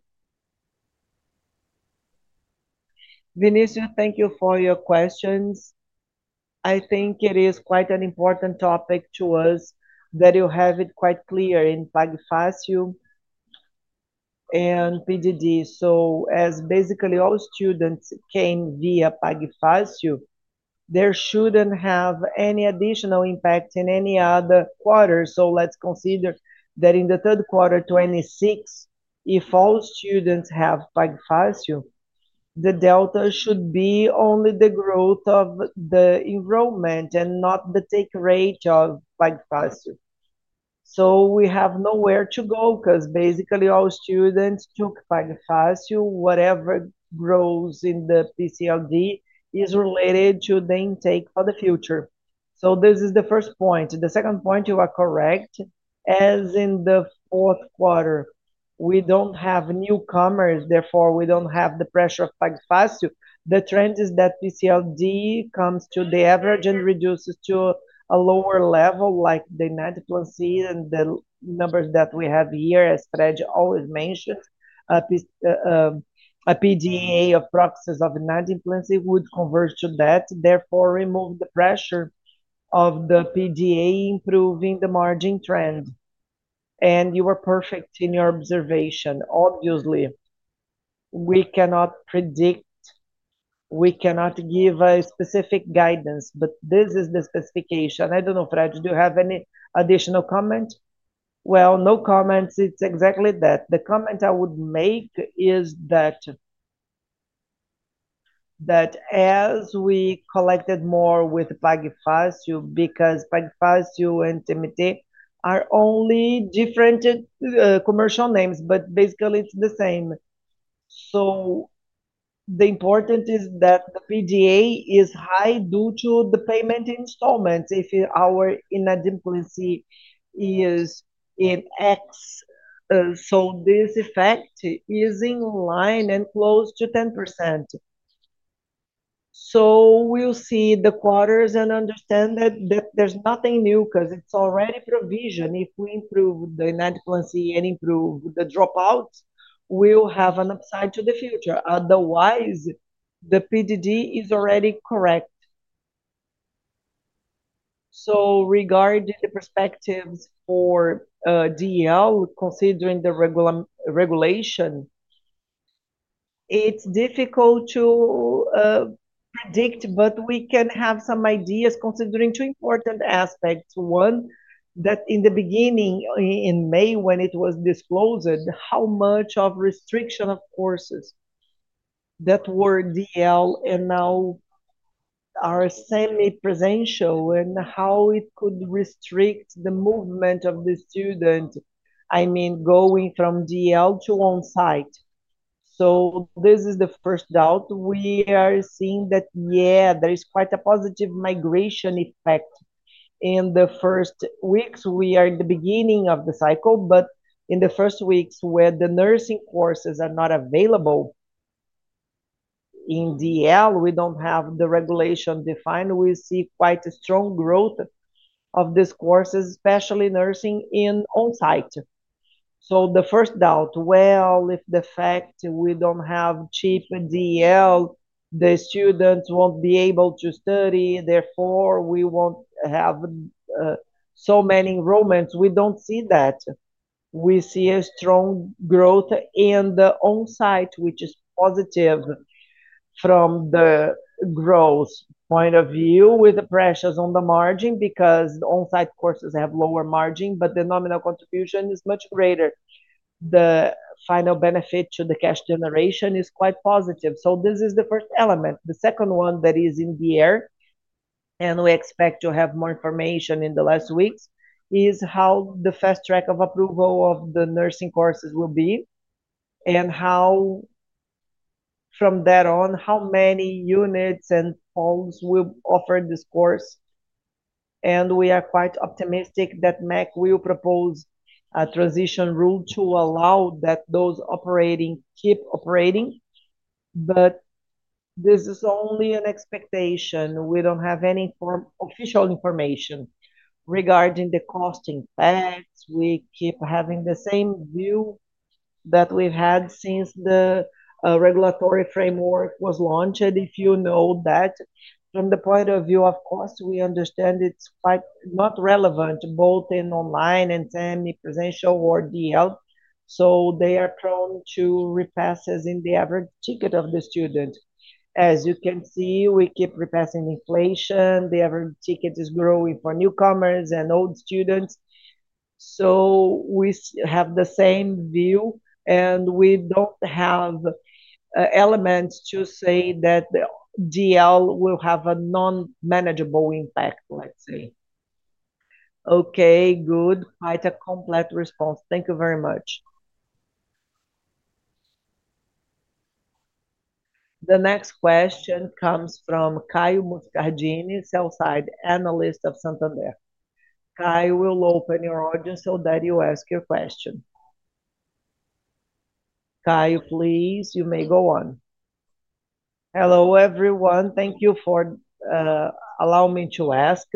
Vinícius, thank you for your questions. I think it is quite an important topic to us that you have it quite clear in PAGFASIO and PCLD. As basically all students came via PAGFASIO, there should not have any additional impact in any other quarter. Let's consider that in the third quarter, 2026, if all students have PAGFASIO, the delta should be only the growth of the enrollment and not the take rate of PAGFASIO. We have nowhere to go because basically all students took PAGFASIO. Whatever grows in the PCLD is related to the intake for the future. This is the first point. The second point, you are correct. As in the fourth quarter, we do not have newcomers. Therefore, we do not have the pressure of PAGFASIO. The trend is that PCLD comes to the average and reduces to a lower level like the 2019. And the numbers that we have here, as Fred always mentioned, a PDA of proxies of 2019 would convert to that. Therefore, remove the pressure of the PDA improving the margin trend. You were perfect in your observation. Obviously, we cannot predict. We cannot give a specific guidance, but this is the specification. I do not know, Fred, do you have any additional comment? No comments. It is exactly that. The comment I would make is that as we collected more with PAGFASIO because PAGFASIO and TMT are only different commercial names, but basically it is the same. The important thing is that the PDA is high due to the payment installments. If our inadimplency is in X, this effect is in line and close to 10%. We will see the quarters and understand that there is nothing new because it is already provision. If we improve the inadimplency and improve the dropout, we will have an upside to the future. Otherwise, the PDD is already correct. Regarding the perspectives for DL, considering the regulation, it is difficult to predict, but we can have some ideas considering two important aspects. One, that in the beginning, in May, when it was disclosed, how much of restriction of courses that were DL and now are semi-presential and how it could restrict the movement of the student, I mean, going from DL to on-site. This is the first doubt. We are seeing that, yeah, there is quite a positive migration effect. In the first weeks, we are in the beginning of the cycle, but in the first weeks where the nursing courses are not available in DL, we do not have the regulation defined. We see quite a strong growth of these courses, especially nursing in on-site. The first doubt, if the fact we do not have cheap DL, the students will not be able to study. Therefore, we will not have so many enrollments. We do not see that. We see a strong growth in the on-site, which is positive from the growth point of view with the pressures on the margin because on-site courses have lower margin, but the nominal contribution is much greater. The final benefit to the cash generation is quite positive. This is the first element. The second one that is in the air, and we expect to have more information in the last weeks, is how the fast track of approval of the nursing courses will be and from there on, how many units and halls will offer this course. We are quite optimistic that MEC will propose a transition rule to allow that those operating keep operating. This is only an expectation. We do not have any official information regarding the costing facts. We keep having the same view that we have had since the regulatory framework was launched. If you know that, from the point of view of cost, we understand it is quite not relevant both in online and semi-presential or EAD. They are prone to repasses in the average ticket of the student. As you can see, we keep repassing inflation. The average ticket is growing for newcomers and old students. We have the same view, and we do not have elements to say that DL will have a non-manageable impact, let's say. Okay, good. Quite a complete response. Thank you very much. The next question comes from Caio Moscardini, sell-side analyst of Santander. Caio, we will open your audience so that you ask your question. Caio, please, you may go on. Hello, everyone. Thank you for allowing me to ask.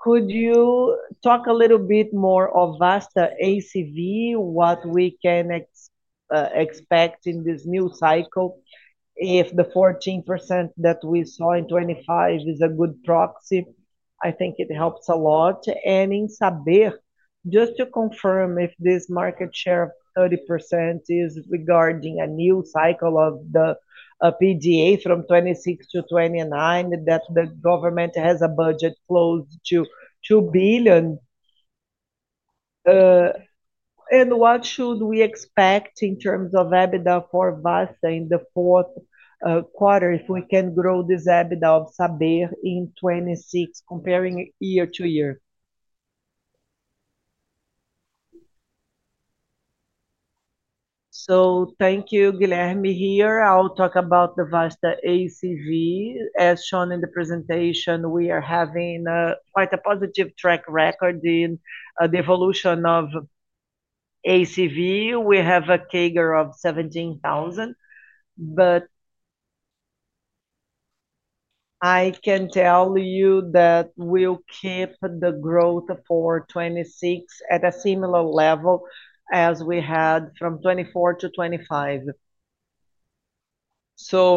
Could you talk a little bit more of Vasta ACV, what we can expect in this new cycle? If the 14% that we saw in 2025 is a good proxy, I think it helps a lot. And in Saber, just to confirm if this market share of 30% is regarding a new cycle of the PDA from 2026 to 2029, that the government has a budget closed to 2 billion. What should we expect in terms of EBITDA for Vasta in the fourth quarter if we can grow this EBITDA of Saber in 2026 comparing year to year? Thank you, Guilherme. Here, I'll talk about the Vasta ACV. As shown in the presentation, we are having quite a positive track record in the evolution of ACV. We have a CAGR of 17,000. I can tell you that we'll keep the growth for 2026 at a similar level as we had from 2024 to 2025,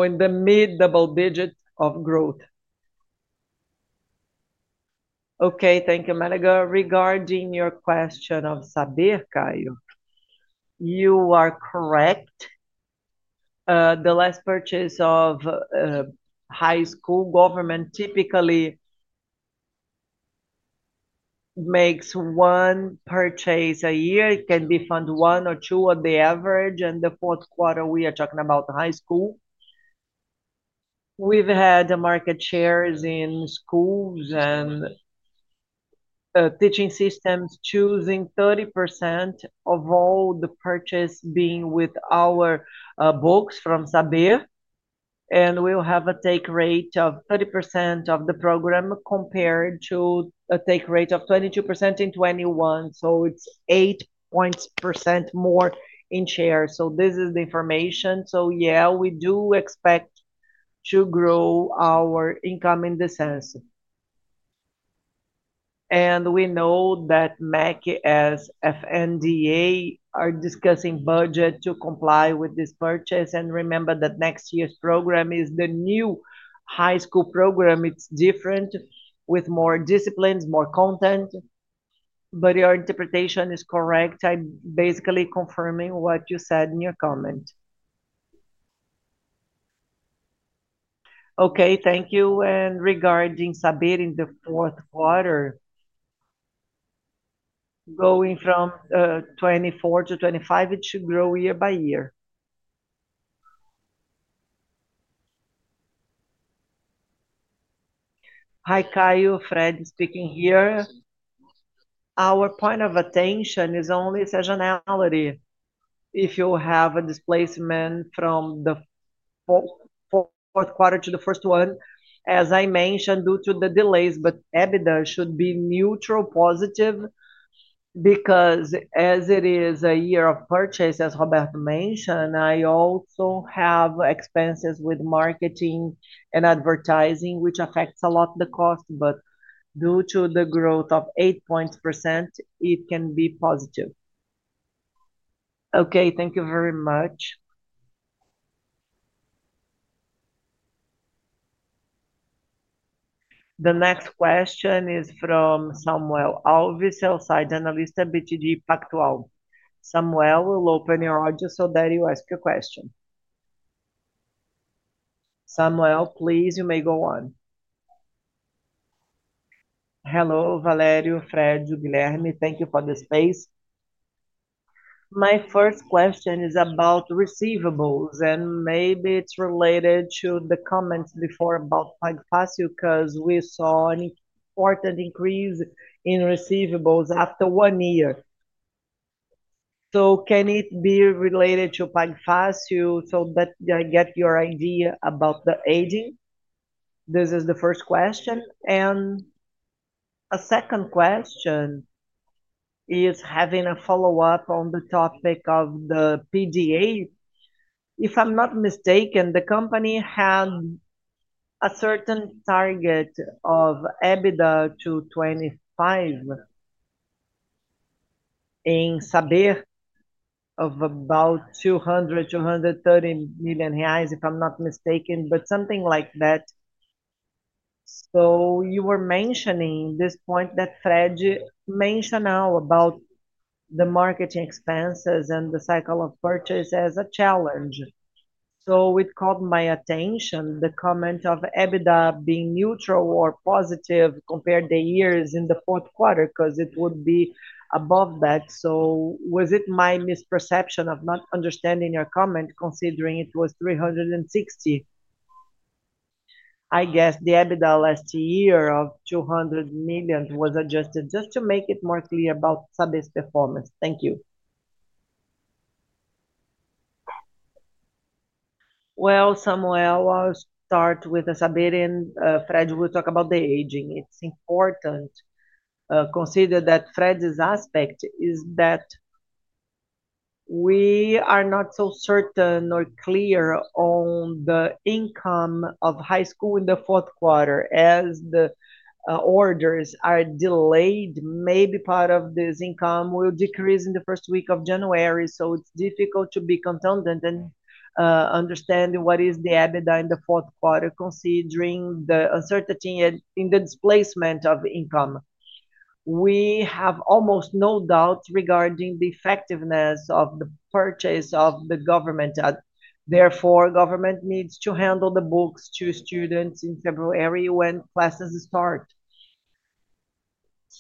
in the mid double digit of growth. Thank you, Mélega. Regarding your question of Saber, Caio, you are correct. The last purchase of high school government typically makes one purchase a year. It can be fund one or two at the average. In the fourth quarter, we are talking about high school. We've had market shares in schools and teaching systems choosing 30% of all the purchase being with our books from Saber. We will have a take rate of 30% of the program compared to a take rate of 22% in 2021. It is 8 percentage points more in shares. This is the information. Yes, we do expect to grow our income in this sense. We know that MEC as FNDE are discussing budget to comply with this purchase. Remember that next year's program is the new high school program. It is different with more disciplines, more content. Your interpretation is correct. I am basically confirming what you said in your comment. Okay, thank you. Regarding Saber in the fourth quarter, going from 2024 to 2025, it should grow year by year. Hi, Caio. Fred speaking here. Our point of attention is only seasonality. If you have a displacement from the fourth quarter to the first one, as I mentioned, due to the delays, but EBITDA should be neutral positive because as it is a year of purchase, as Roberto mentioned, I also have expenses with marketing and advertising, which affects a lot of the cost. Due to the growth of 8% it can be positive. Okay, thank you very much. The next question is from Samuel Alves, sell-side analyst at BTG Pactual. Samuel, we'll open your audience so that you ask your question. Samuel, please, you may go on. Hello, Valério, Fred, Guilherme. Thank you for the space. My first question is about receivables, and maybe it's related to the comments before about PAGFASIO because we saw an important increase in receivables after one year. Can it be related to PAGFASIO so that I get your idea about the aging? This is the first question. A second question is having a follow-up on the topic of the PCLD. If I'm not mistaken, the company had a certain target of EBITDA to 2025 in Saber of about 200 million-230 million reais, if I'm not mistaken, but something like that. You were mentioning this point that Fred mentioned now about the marketing expenses and the cycle of purchase as a challenge. It caught my attention, the comment of EBITDA being neutral or positive compared to the years in the fourth quarter because it would be above that. Was it my misperception of not understanding your comment considering it was 360 million? I guess the EBITDA last year of 200 million was adjusted just to make it more clear about Saber's performance. Thank you. Samuel, I'll start with Saber and Fred will talk about the aging. It's important to consider that Fred's aspect is that we are not so certain or clear on the income of high school in the fourth quarter. As the orders are delayed, maybe part of this income will decrease in the first week of January. It's difficult to be contundent and understand what is the EBITDA in the fourth quarter considering the uncertainty in the displacement of income. We have almost no doubt regarding the effectiveness of the purchase of the government. Therefore, government needs to handle the books to students in February when classes start.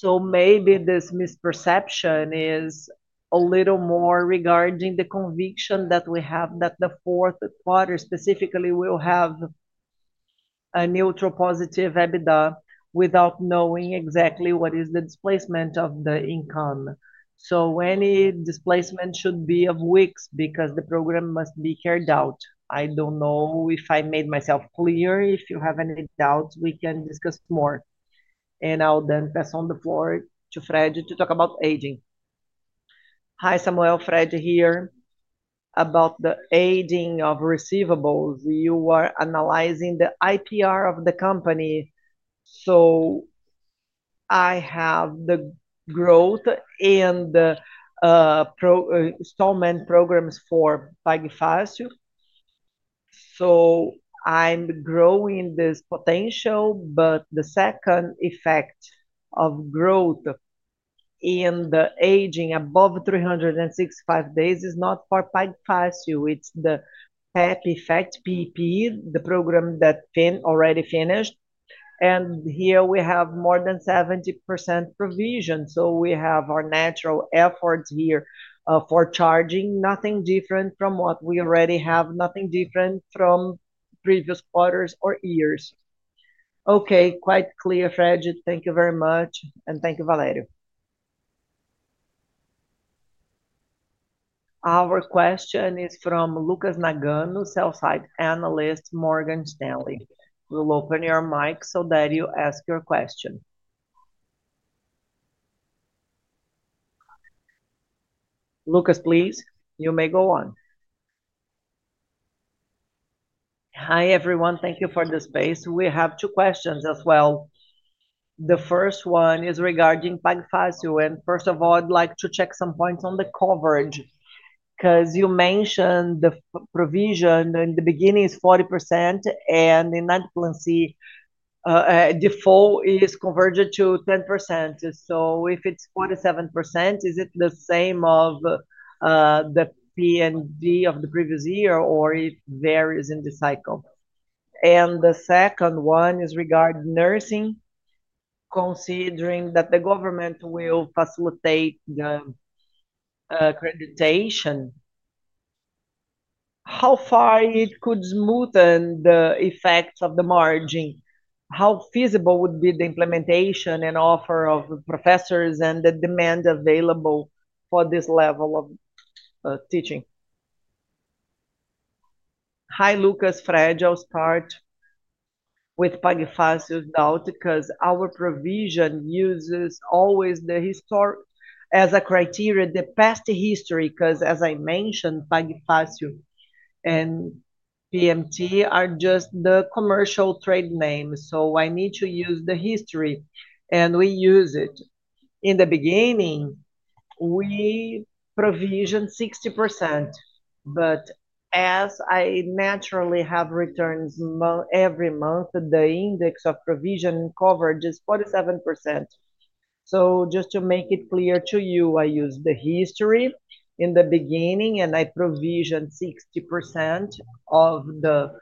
Maybe this misperception is a little more regarding the conviction that we have that the fourth quarter specifically will have a neutral positive EBITDA without knowing exactly what is the displacement of the income. Any displacement should be of weeks because the program must be carried out. I do not know if I made myself clear. If you have any doubts, we can discuss more. I will then pass on the floor to Fred to talk about aging. Hi, Samuel, Fred here. About the aging of receivables, you are analyzing the IPR of the company. I have the growth and the installment programs for PAGFASIO. I am growing this potential, but the second effect of growth in the aging above 365 days is not for PAGFASIO. It is the PEP effect, PEP, the program that already finished. Here we have more than 70% provision. We have our natural efforts here for charging, nothing different from what we already have, nothing different from previous quarters or years. Okay, quite clear, Fred. Thank you very much. Thank you, Valério. Our question is from Lucas Nagano, sell-side analyst, Morgan Stanley. We'll open your mic so that you ask your question. Lucas, please, you may go on. Hi, everyone. Thank you for the space. We have two questions as well. The first one is regarding PAGFASIO. And first of all, I'd like to check some points on the coverage because you mentioned the provision in the beginning is 40%, and in adolescence, default is converted to 10%. So if it's 47%, is it the same as the PCLD of the previous year, or does it vary in the cycle? The second one is regarding nursing, considering that the government will facilitate the accreditation. How far could it smoothen the effects of the margin? How feasible would be the implementation and offer of professors and the demand available for this level of teaching? Hi, Lucas, Fred. I'll start with PAGFASIO's doubt because our provision uses always the historic as a criteria, the past history, because, as I mentioned, PAGFASIO and PMT are just the commercial trade names. So I need to use the history. And we use it. In the beginning, we provisioned 60%. But as I naturally have returns every month, the index of provision coverage is 47%. Just to make it clear to you, I use the history in the beginning, and I provisioned 60% of the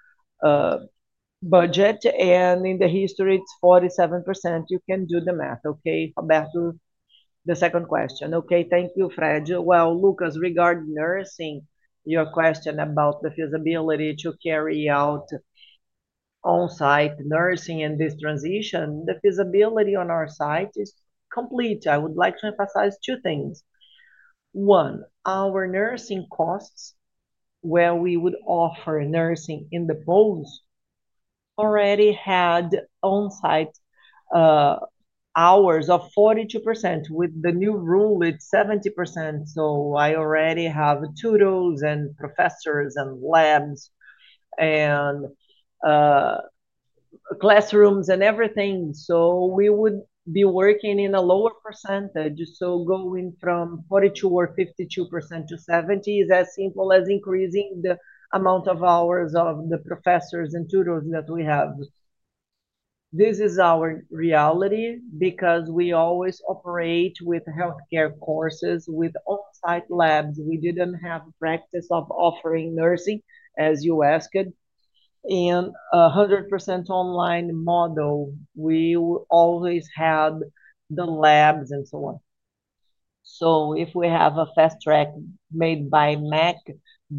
budget. And in the history, it's 47%. You can do the math, okay? Back to the second question. Thank you, Fred. Lucas, regarding nursing, your question about the feasibility to carry out on-site nursing in this transition, the feasibility on our site is complete. I would like to emphasize two things. One, our nursing costs, where we would offer nursing in the post, already had on-site hours of 42% with the new rule at 70%. I already have tutors and professors and labs and classrooms and everything. We would be working in a lower percentage. Going from 42% or 52% to 70% is as simple as increasing the amount of hours of the professors and tutors that we have. This is our reality because we always operate with healthcare courses, with on-site labs. We did not have a practice of offering nursing, as you asked, in a 100% online model. We always had the labs and so on. If we have a fast track made by MEC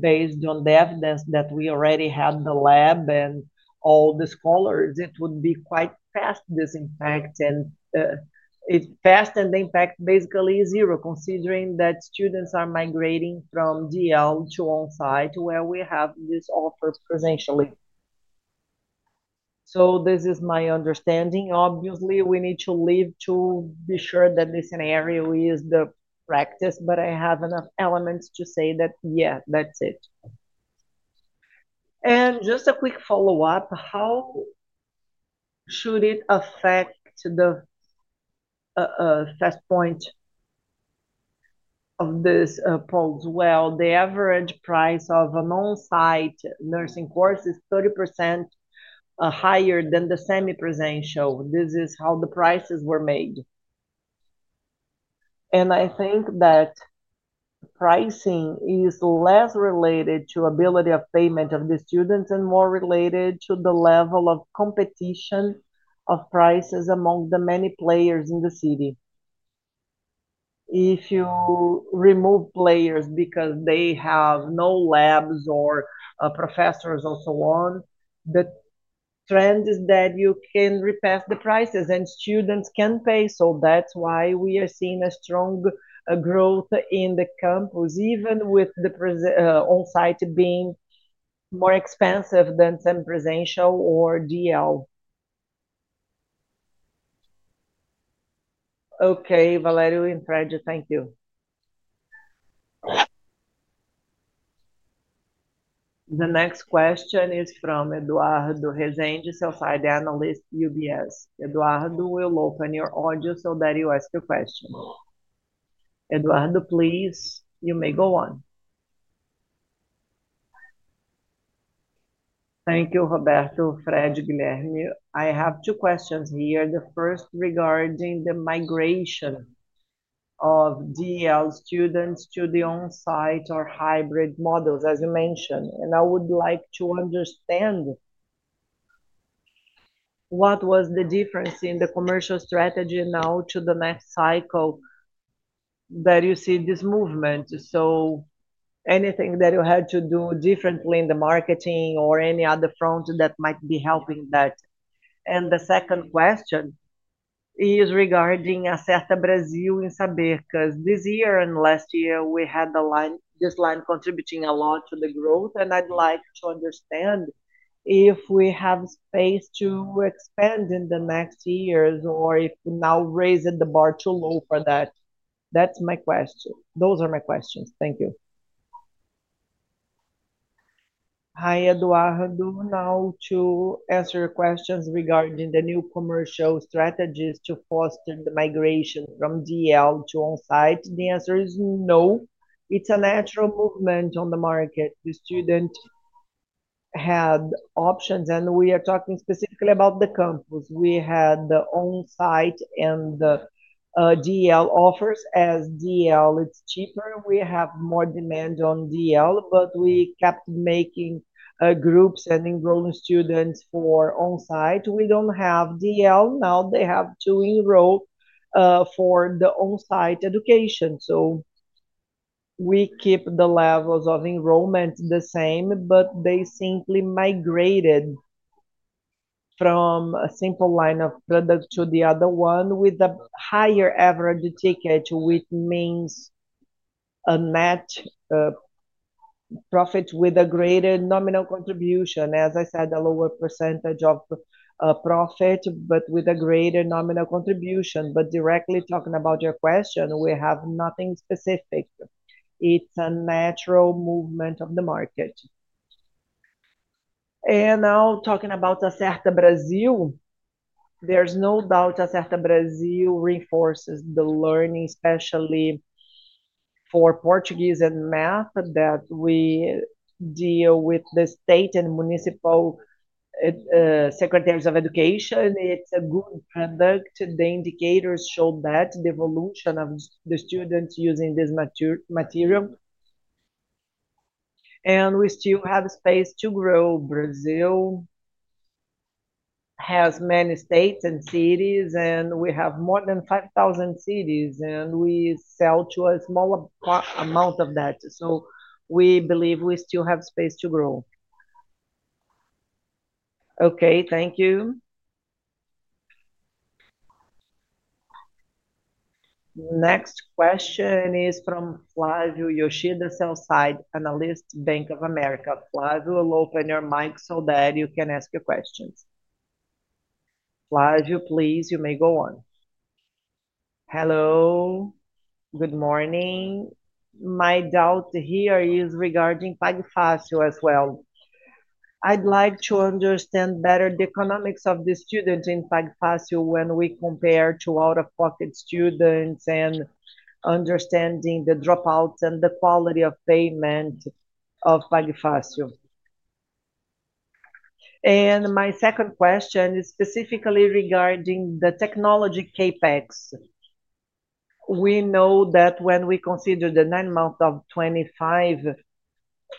based on the evidence that we already had the lab and all the scholars, it would be quite fast, this impact. It is fast, and the impact basically is zero, considering that students are migrating from DL to on-site where we have this offered provincially. This is my understanding. Obviously, we need to live to be sure that this scenario is the practice, but I have enough elements to say that, yeah, that's it. Just a quick follow-up. How should it affect the fast point of this poll? The average price of an on-site nursing course is 30% higher than the semi-presential. This is how the prices were made. I think that pricing is less related to the ability of payment of the students and more related to the level of competition of prices among the many players in the city. If you remove players because they have no labs or professors or so on, the trend is that you can repass the prices and students can pay. That is why we are seeing a strong growth in the campus, even with the on-site being more expensive than semi-presential or DL. Okay, Valério and Fred, thank you. The next question is from Eduardo Resende, sell-side analyst, UBS. Eduardo, we will open your audio so that you ask your question. Eduardo, please, you may go on. Thank you, Roberto, Fred, Guilherme. I have two questions here. The first regarding the migration of DL students to the on-site or hybrid models, as you mentioned. I would like to understand what was the difference in the commercial strategy now to the next cycle that you see this movement. Anything that you had to do differently in the marketing or any other front that might be helping that. The second question is regarding Acerta Brasil in Saber because this year and last year, we had this line contributing a lot to the growth. I'd like to understand if we have space to expand in the next years or if now raising the bar is too low for that. That's my question. Those are my questions. Thank you. Hi, Eduardo. Now, to answer your questions regarding the new commercial strategies to foster the migration from DL to on-site, the answer is no. It's a natural movement on the market. The student had options, and we are talking specifically about the campus. We had the on-site and the DL offers as DL, it's cheaper. We have more demand on DL, but we kept making groups and enrolling students for on-site. We do not have DL. Now they have to enroll for the on-site education. We keep the levels of enrollment the same, but they simply migrated from a simple line of product to the other one with a higher average ticket, which means a net profit with a greater nominal contribution. As I said, a lower percentage of profit, but with a greater nominal contribution. Directly talking about your question, we have nothing specific. It is a natural movement of the market. Now talking about Acerta Brasil, there is no doubt Acerta Brasil reinforces the learning, especially for Portuguese and math, that we deal with the state and municipal secretaries of education. It is a good product. The indicators show the evolution of the students using this material. We still have space to grow. Brazil has many states and cities, and we have more than 5,000 cities, and we sell to a small amount of that. We believe we still have space to grow. Okay, thank you. Next question is from Flavio Yoshida, sell-side analyst, Bank of America. Flavio, open your mic so that you can ask your questions. Flavio, please, you may go on. Hello. Good morning. My doubt here is regarding PAGFASIO as well. I'd like to understand better the economics of the students in PAGFASIO when we compare to out-of-pocket students and understanding the dropouts and the quality of payment of PAGFASIO. My second question is specifically regarding the technology CapEx. We know that when we consider the nine months of 2025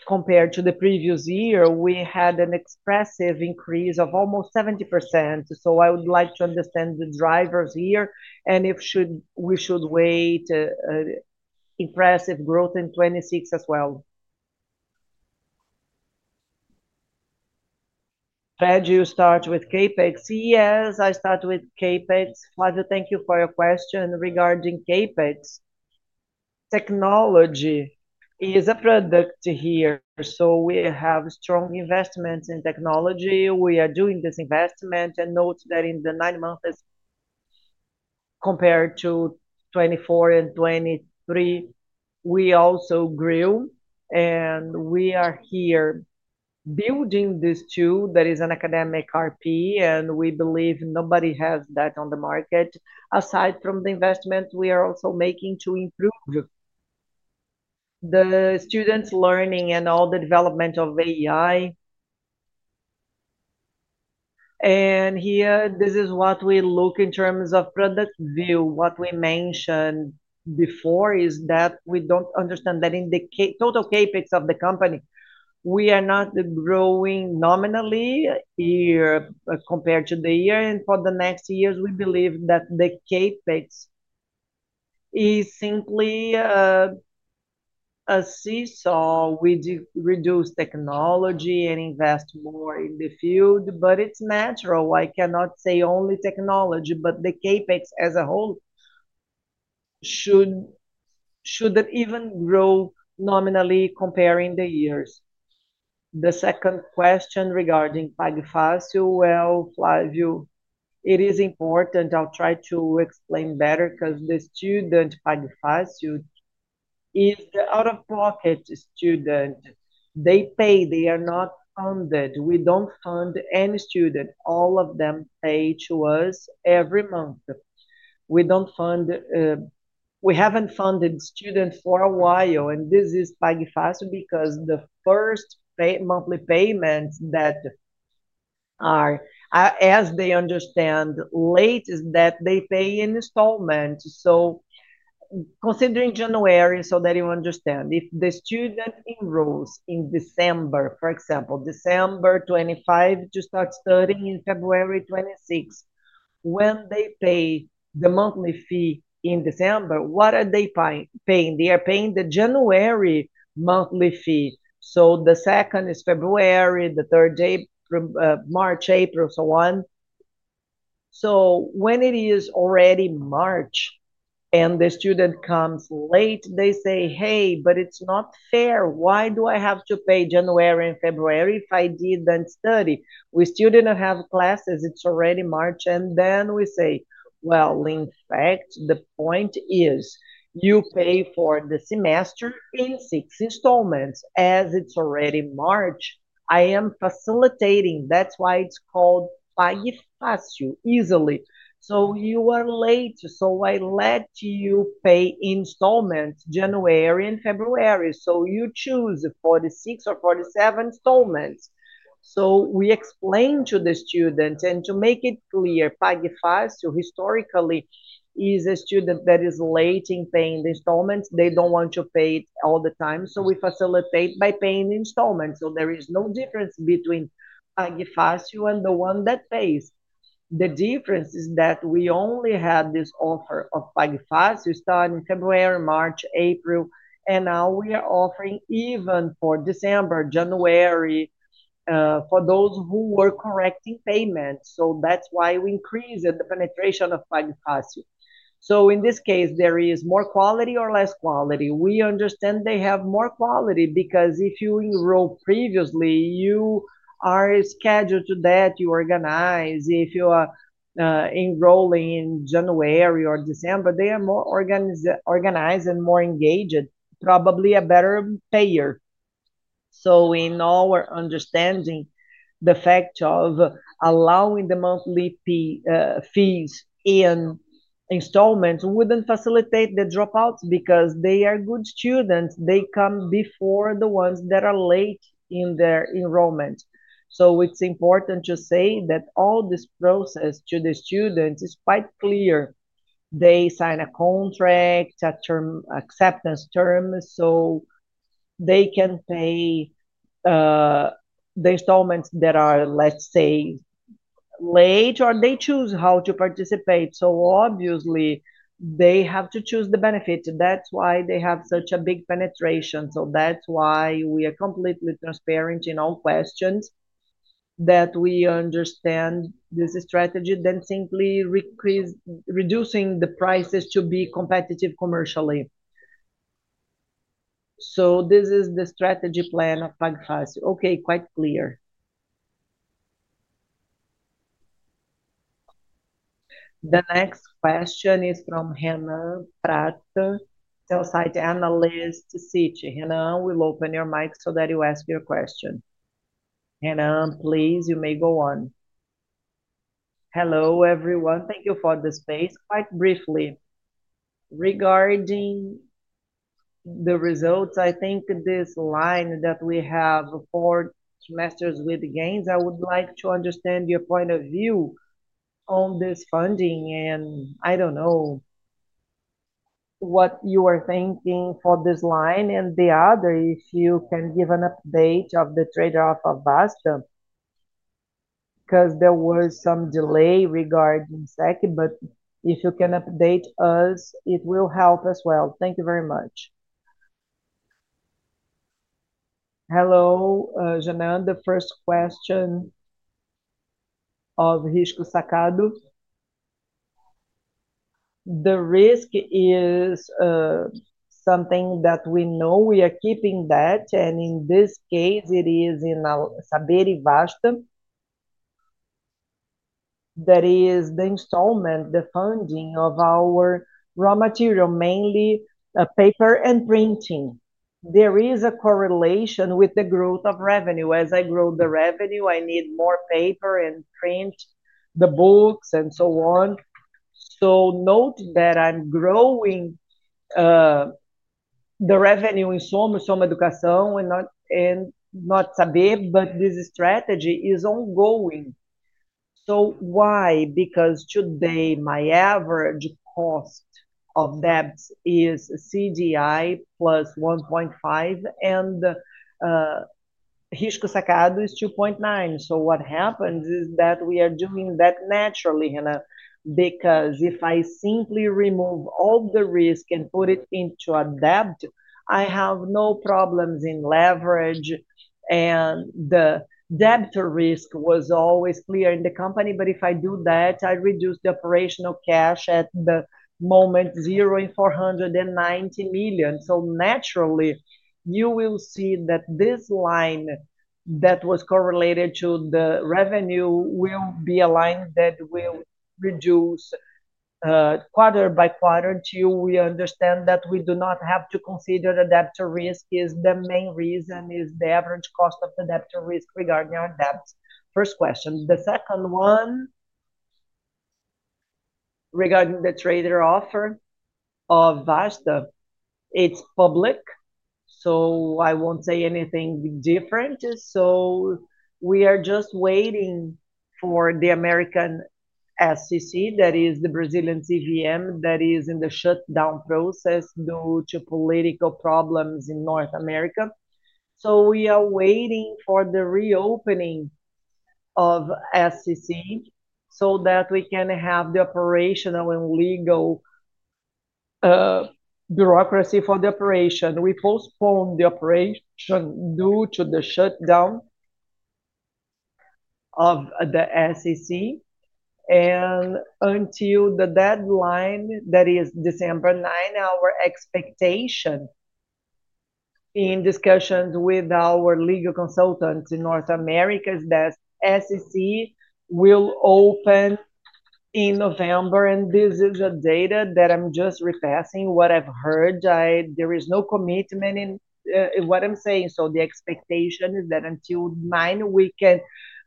compared to the previous year, we had an expressive increase of almost 70%. I would like to understand the drivers here and if we should wait impressive growth in 2026 as well. Fred, you start with CapEx. Yes, I start with CapEx. Flavio, thank you for your question regarding CapEx. Technology is a product here. We have strong investments in technology. We are doing this investment and note that in the nine months compared to 2024 and 2023, we also grew. We are here building this tool that is an academic ERP, and we believe nobody has that on the market. Aside from the investment, we are also making to improve the students' learning and all the development of AI. Here, this is what we look in terms of product view. What we mentioned before is that we do not understand that in the total CapEx of the company, we are not growing nominally here compared to the year. For the next years, we believe that the CapEx is simply a seesaw. We reduce technology and invest more in the field, but it is natural. I cannot say only technology, but the CapEx as a whole should even grow nominally comparing the years. The second question regarding PAGFASIO, Flavio, it is important. I'll try to explain better because the student PAGFASIO is the out-of-pocket student. They pay. They are not funded. We do not fund any student. All of them pay to us every month. We have not funded students for a while, and this is PAGFASIO because the first monthly payments that are, as they understand, latest that they pay in installments. Considering January, so that you understand. If the student enrolls in December, for example, December 25 to start studying in February 26, when they pay the monthly fee in December, what are they paying? They are paying the January monthly fee. The second is February, the third is March, April, and so on. When it is already March and the student comes late, they say, "Hey, but it's not fair. Why do I have to pay January and February if I didn't study? We still didn't have classes. It's already March." We say, "In fact, the point is you pay for the semester in six installments. As it's already March, I am facilitating. That's why it's called PAGFASIO, easily. You are late, so I let you pay installments January and February. You choose 46 or 47 installments. We explain to the student, and to make it clear, PAGFASIO historically is a student that is late in paying the installments. They do not want to pay it all the time. We facilitate by paying the installments. There is no difference between PAGFASIO and the one that pays. The difference is that we only had this offer of PAGFASIO starting February, March, April, and now we are offering even for December, January for those who were correcting payments. That is why we increase the penetration of PAGFASIO. In this case, there is more quality or less quality. We understand they have more quality because if you enroll previously, you are scheduled to that, you organize. If you are enrolling in January or December, they are more organized and more engaged, probably a better payer. In our understanding, the fact of allowing the monthly fees in installments would not facilitate the dropouts because they are good students. They come before the ones that are late in their enrollment. It is important to say that all this process to the students is quite clear. They sign a contract, acceptance term, so they can pay the installments that are, let's say, late, or they choose how to participate. Obviously, they have to choose the benefit. That is why they have such a big penetration. That is why we are completely transparent in all questions that we understand this strategy than simply reducing the prices to be competitive commercially. This is the strategy plan of PAGFASIO. Okay, quite clear. The next question is from [Hannah Pratt], sell-side analyst, [Citi]. Hannah, we will open your mic so that you ask your question. Hannah, please, you may go on. Hello, everyone. Thank you for the space. Quite briefly, regarding the results, I think this line that we have four semesters with gains, I would like to understand your point of view on this funding. I do not know what you are thinking for this line. The other, if you can give an update of the trade-off of Vasta because there was some delay regarding SEC, but if you can update us, it will help as well. Thank you very much. Hello, Hannah. The first question of Risco Sacado. The risk is something that we know we are keeping that. In this case, it is in Saber Vasta. That is the installment, the funding of our raw material, mainly paper and printing. There is a correlation with the growth of revenue. As I grow the revenue, I need more paper and print the books and so on. Note that I'm growing the revenue in SOMOS Educação and not Saber, but this strategy is ongoing. Why? Because today, my average cost of debt is CDI +1.5, and Risco Sacado is 2.9. What happens is that we are doing that naturally, Hannah, because if I simply remove all the risk and put it into a debt, I have no problems in leverage. The debt risk was always clear in the company. If I do that, I reduce the operational cash at the moment zero in 490 million. Naturally, you will see that this line that was correlated to the revenue will be a line that will reduce quarter by quarter until we understand that we do not have to consider adaptive risk. The main reason is the average cost of adaptive risk regarding our debt. First question. The second one regarding the trader offer of Vasta, it's public. I won't say anything different. We are just waiting for the American SEC, that is the Brazilian CVM, that is in the shutdown process due to political problems in North America. We are waiting for the reopening of SEC so that we can have the operational and legal bureaucracy for the operation. We postponed the operation due to the shutdown of the SEC. Until the deadline that is December 9, our expectation in discussions with our legal consultants in North America is that SEC will open in November. This is data that I'm just repassing what I've heard. There is no commitment in what I'm saying. The expectation is that until 9, we can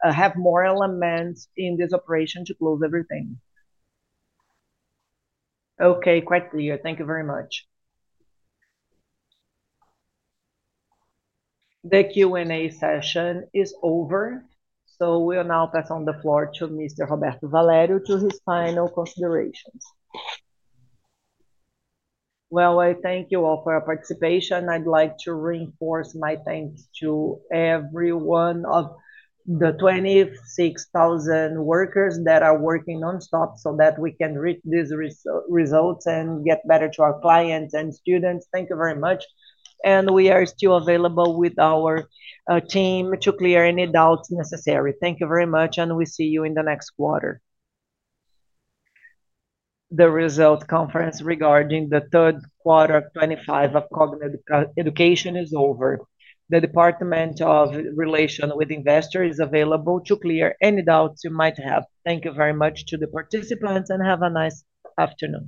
have more elements in this operation to close everything. Okay, quite clear. Thank you very much. The Q&A session is over. We will now pass on the floor to Mr. Roberto Valério for his final considerations. I thank you all for your participation. I would like to reinforce my thanks to every one of the 26,000 workers that are working nonstop so that we can reach these results and get better to our clients and students. Thank you very much. We are still available with our team to clear any doubts necessary. Thank you very much. We see you in the next quarter. The result conference regarding the third quarter of 2025 of Cogna Educação is over. The Department of Relation with Investors is available to clear any doubts you might have. Thank you very much to the participants and have a nice afternoon.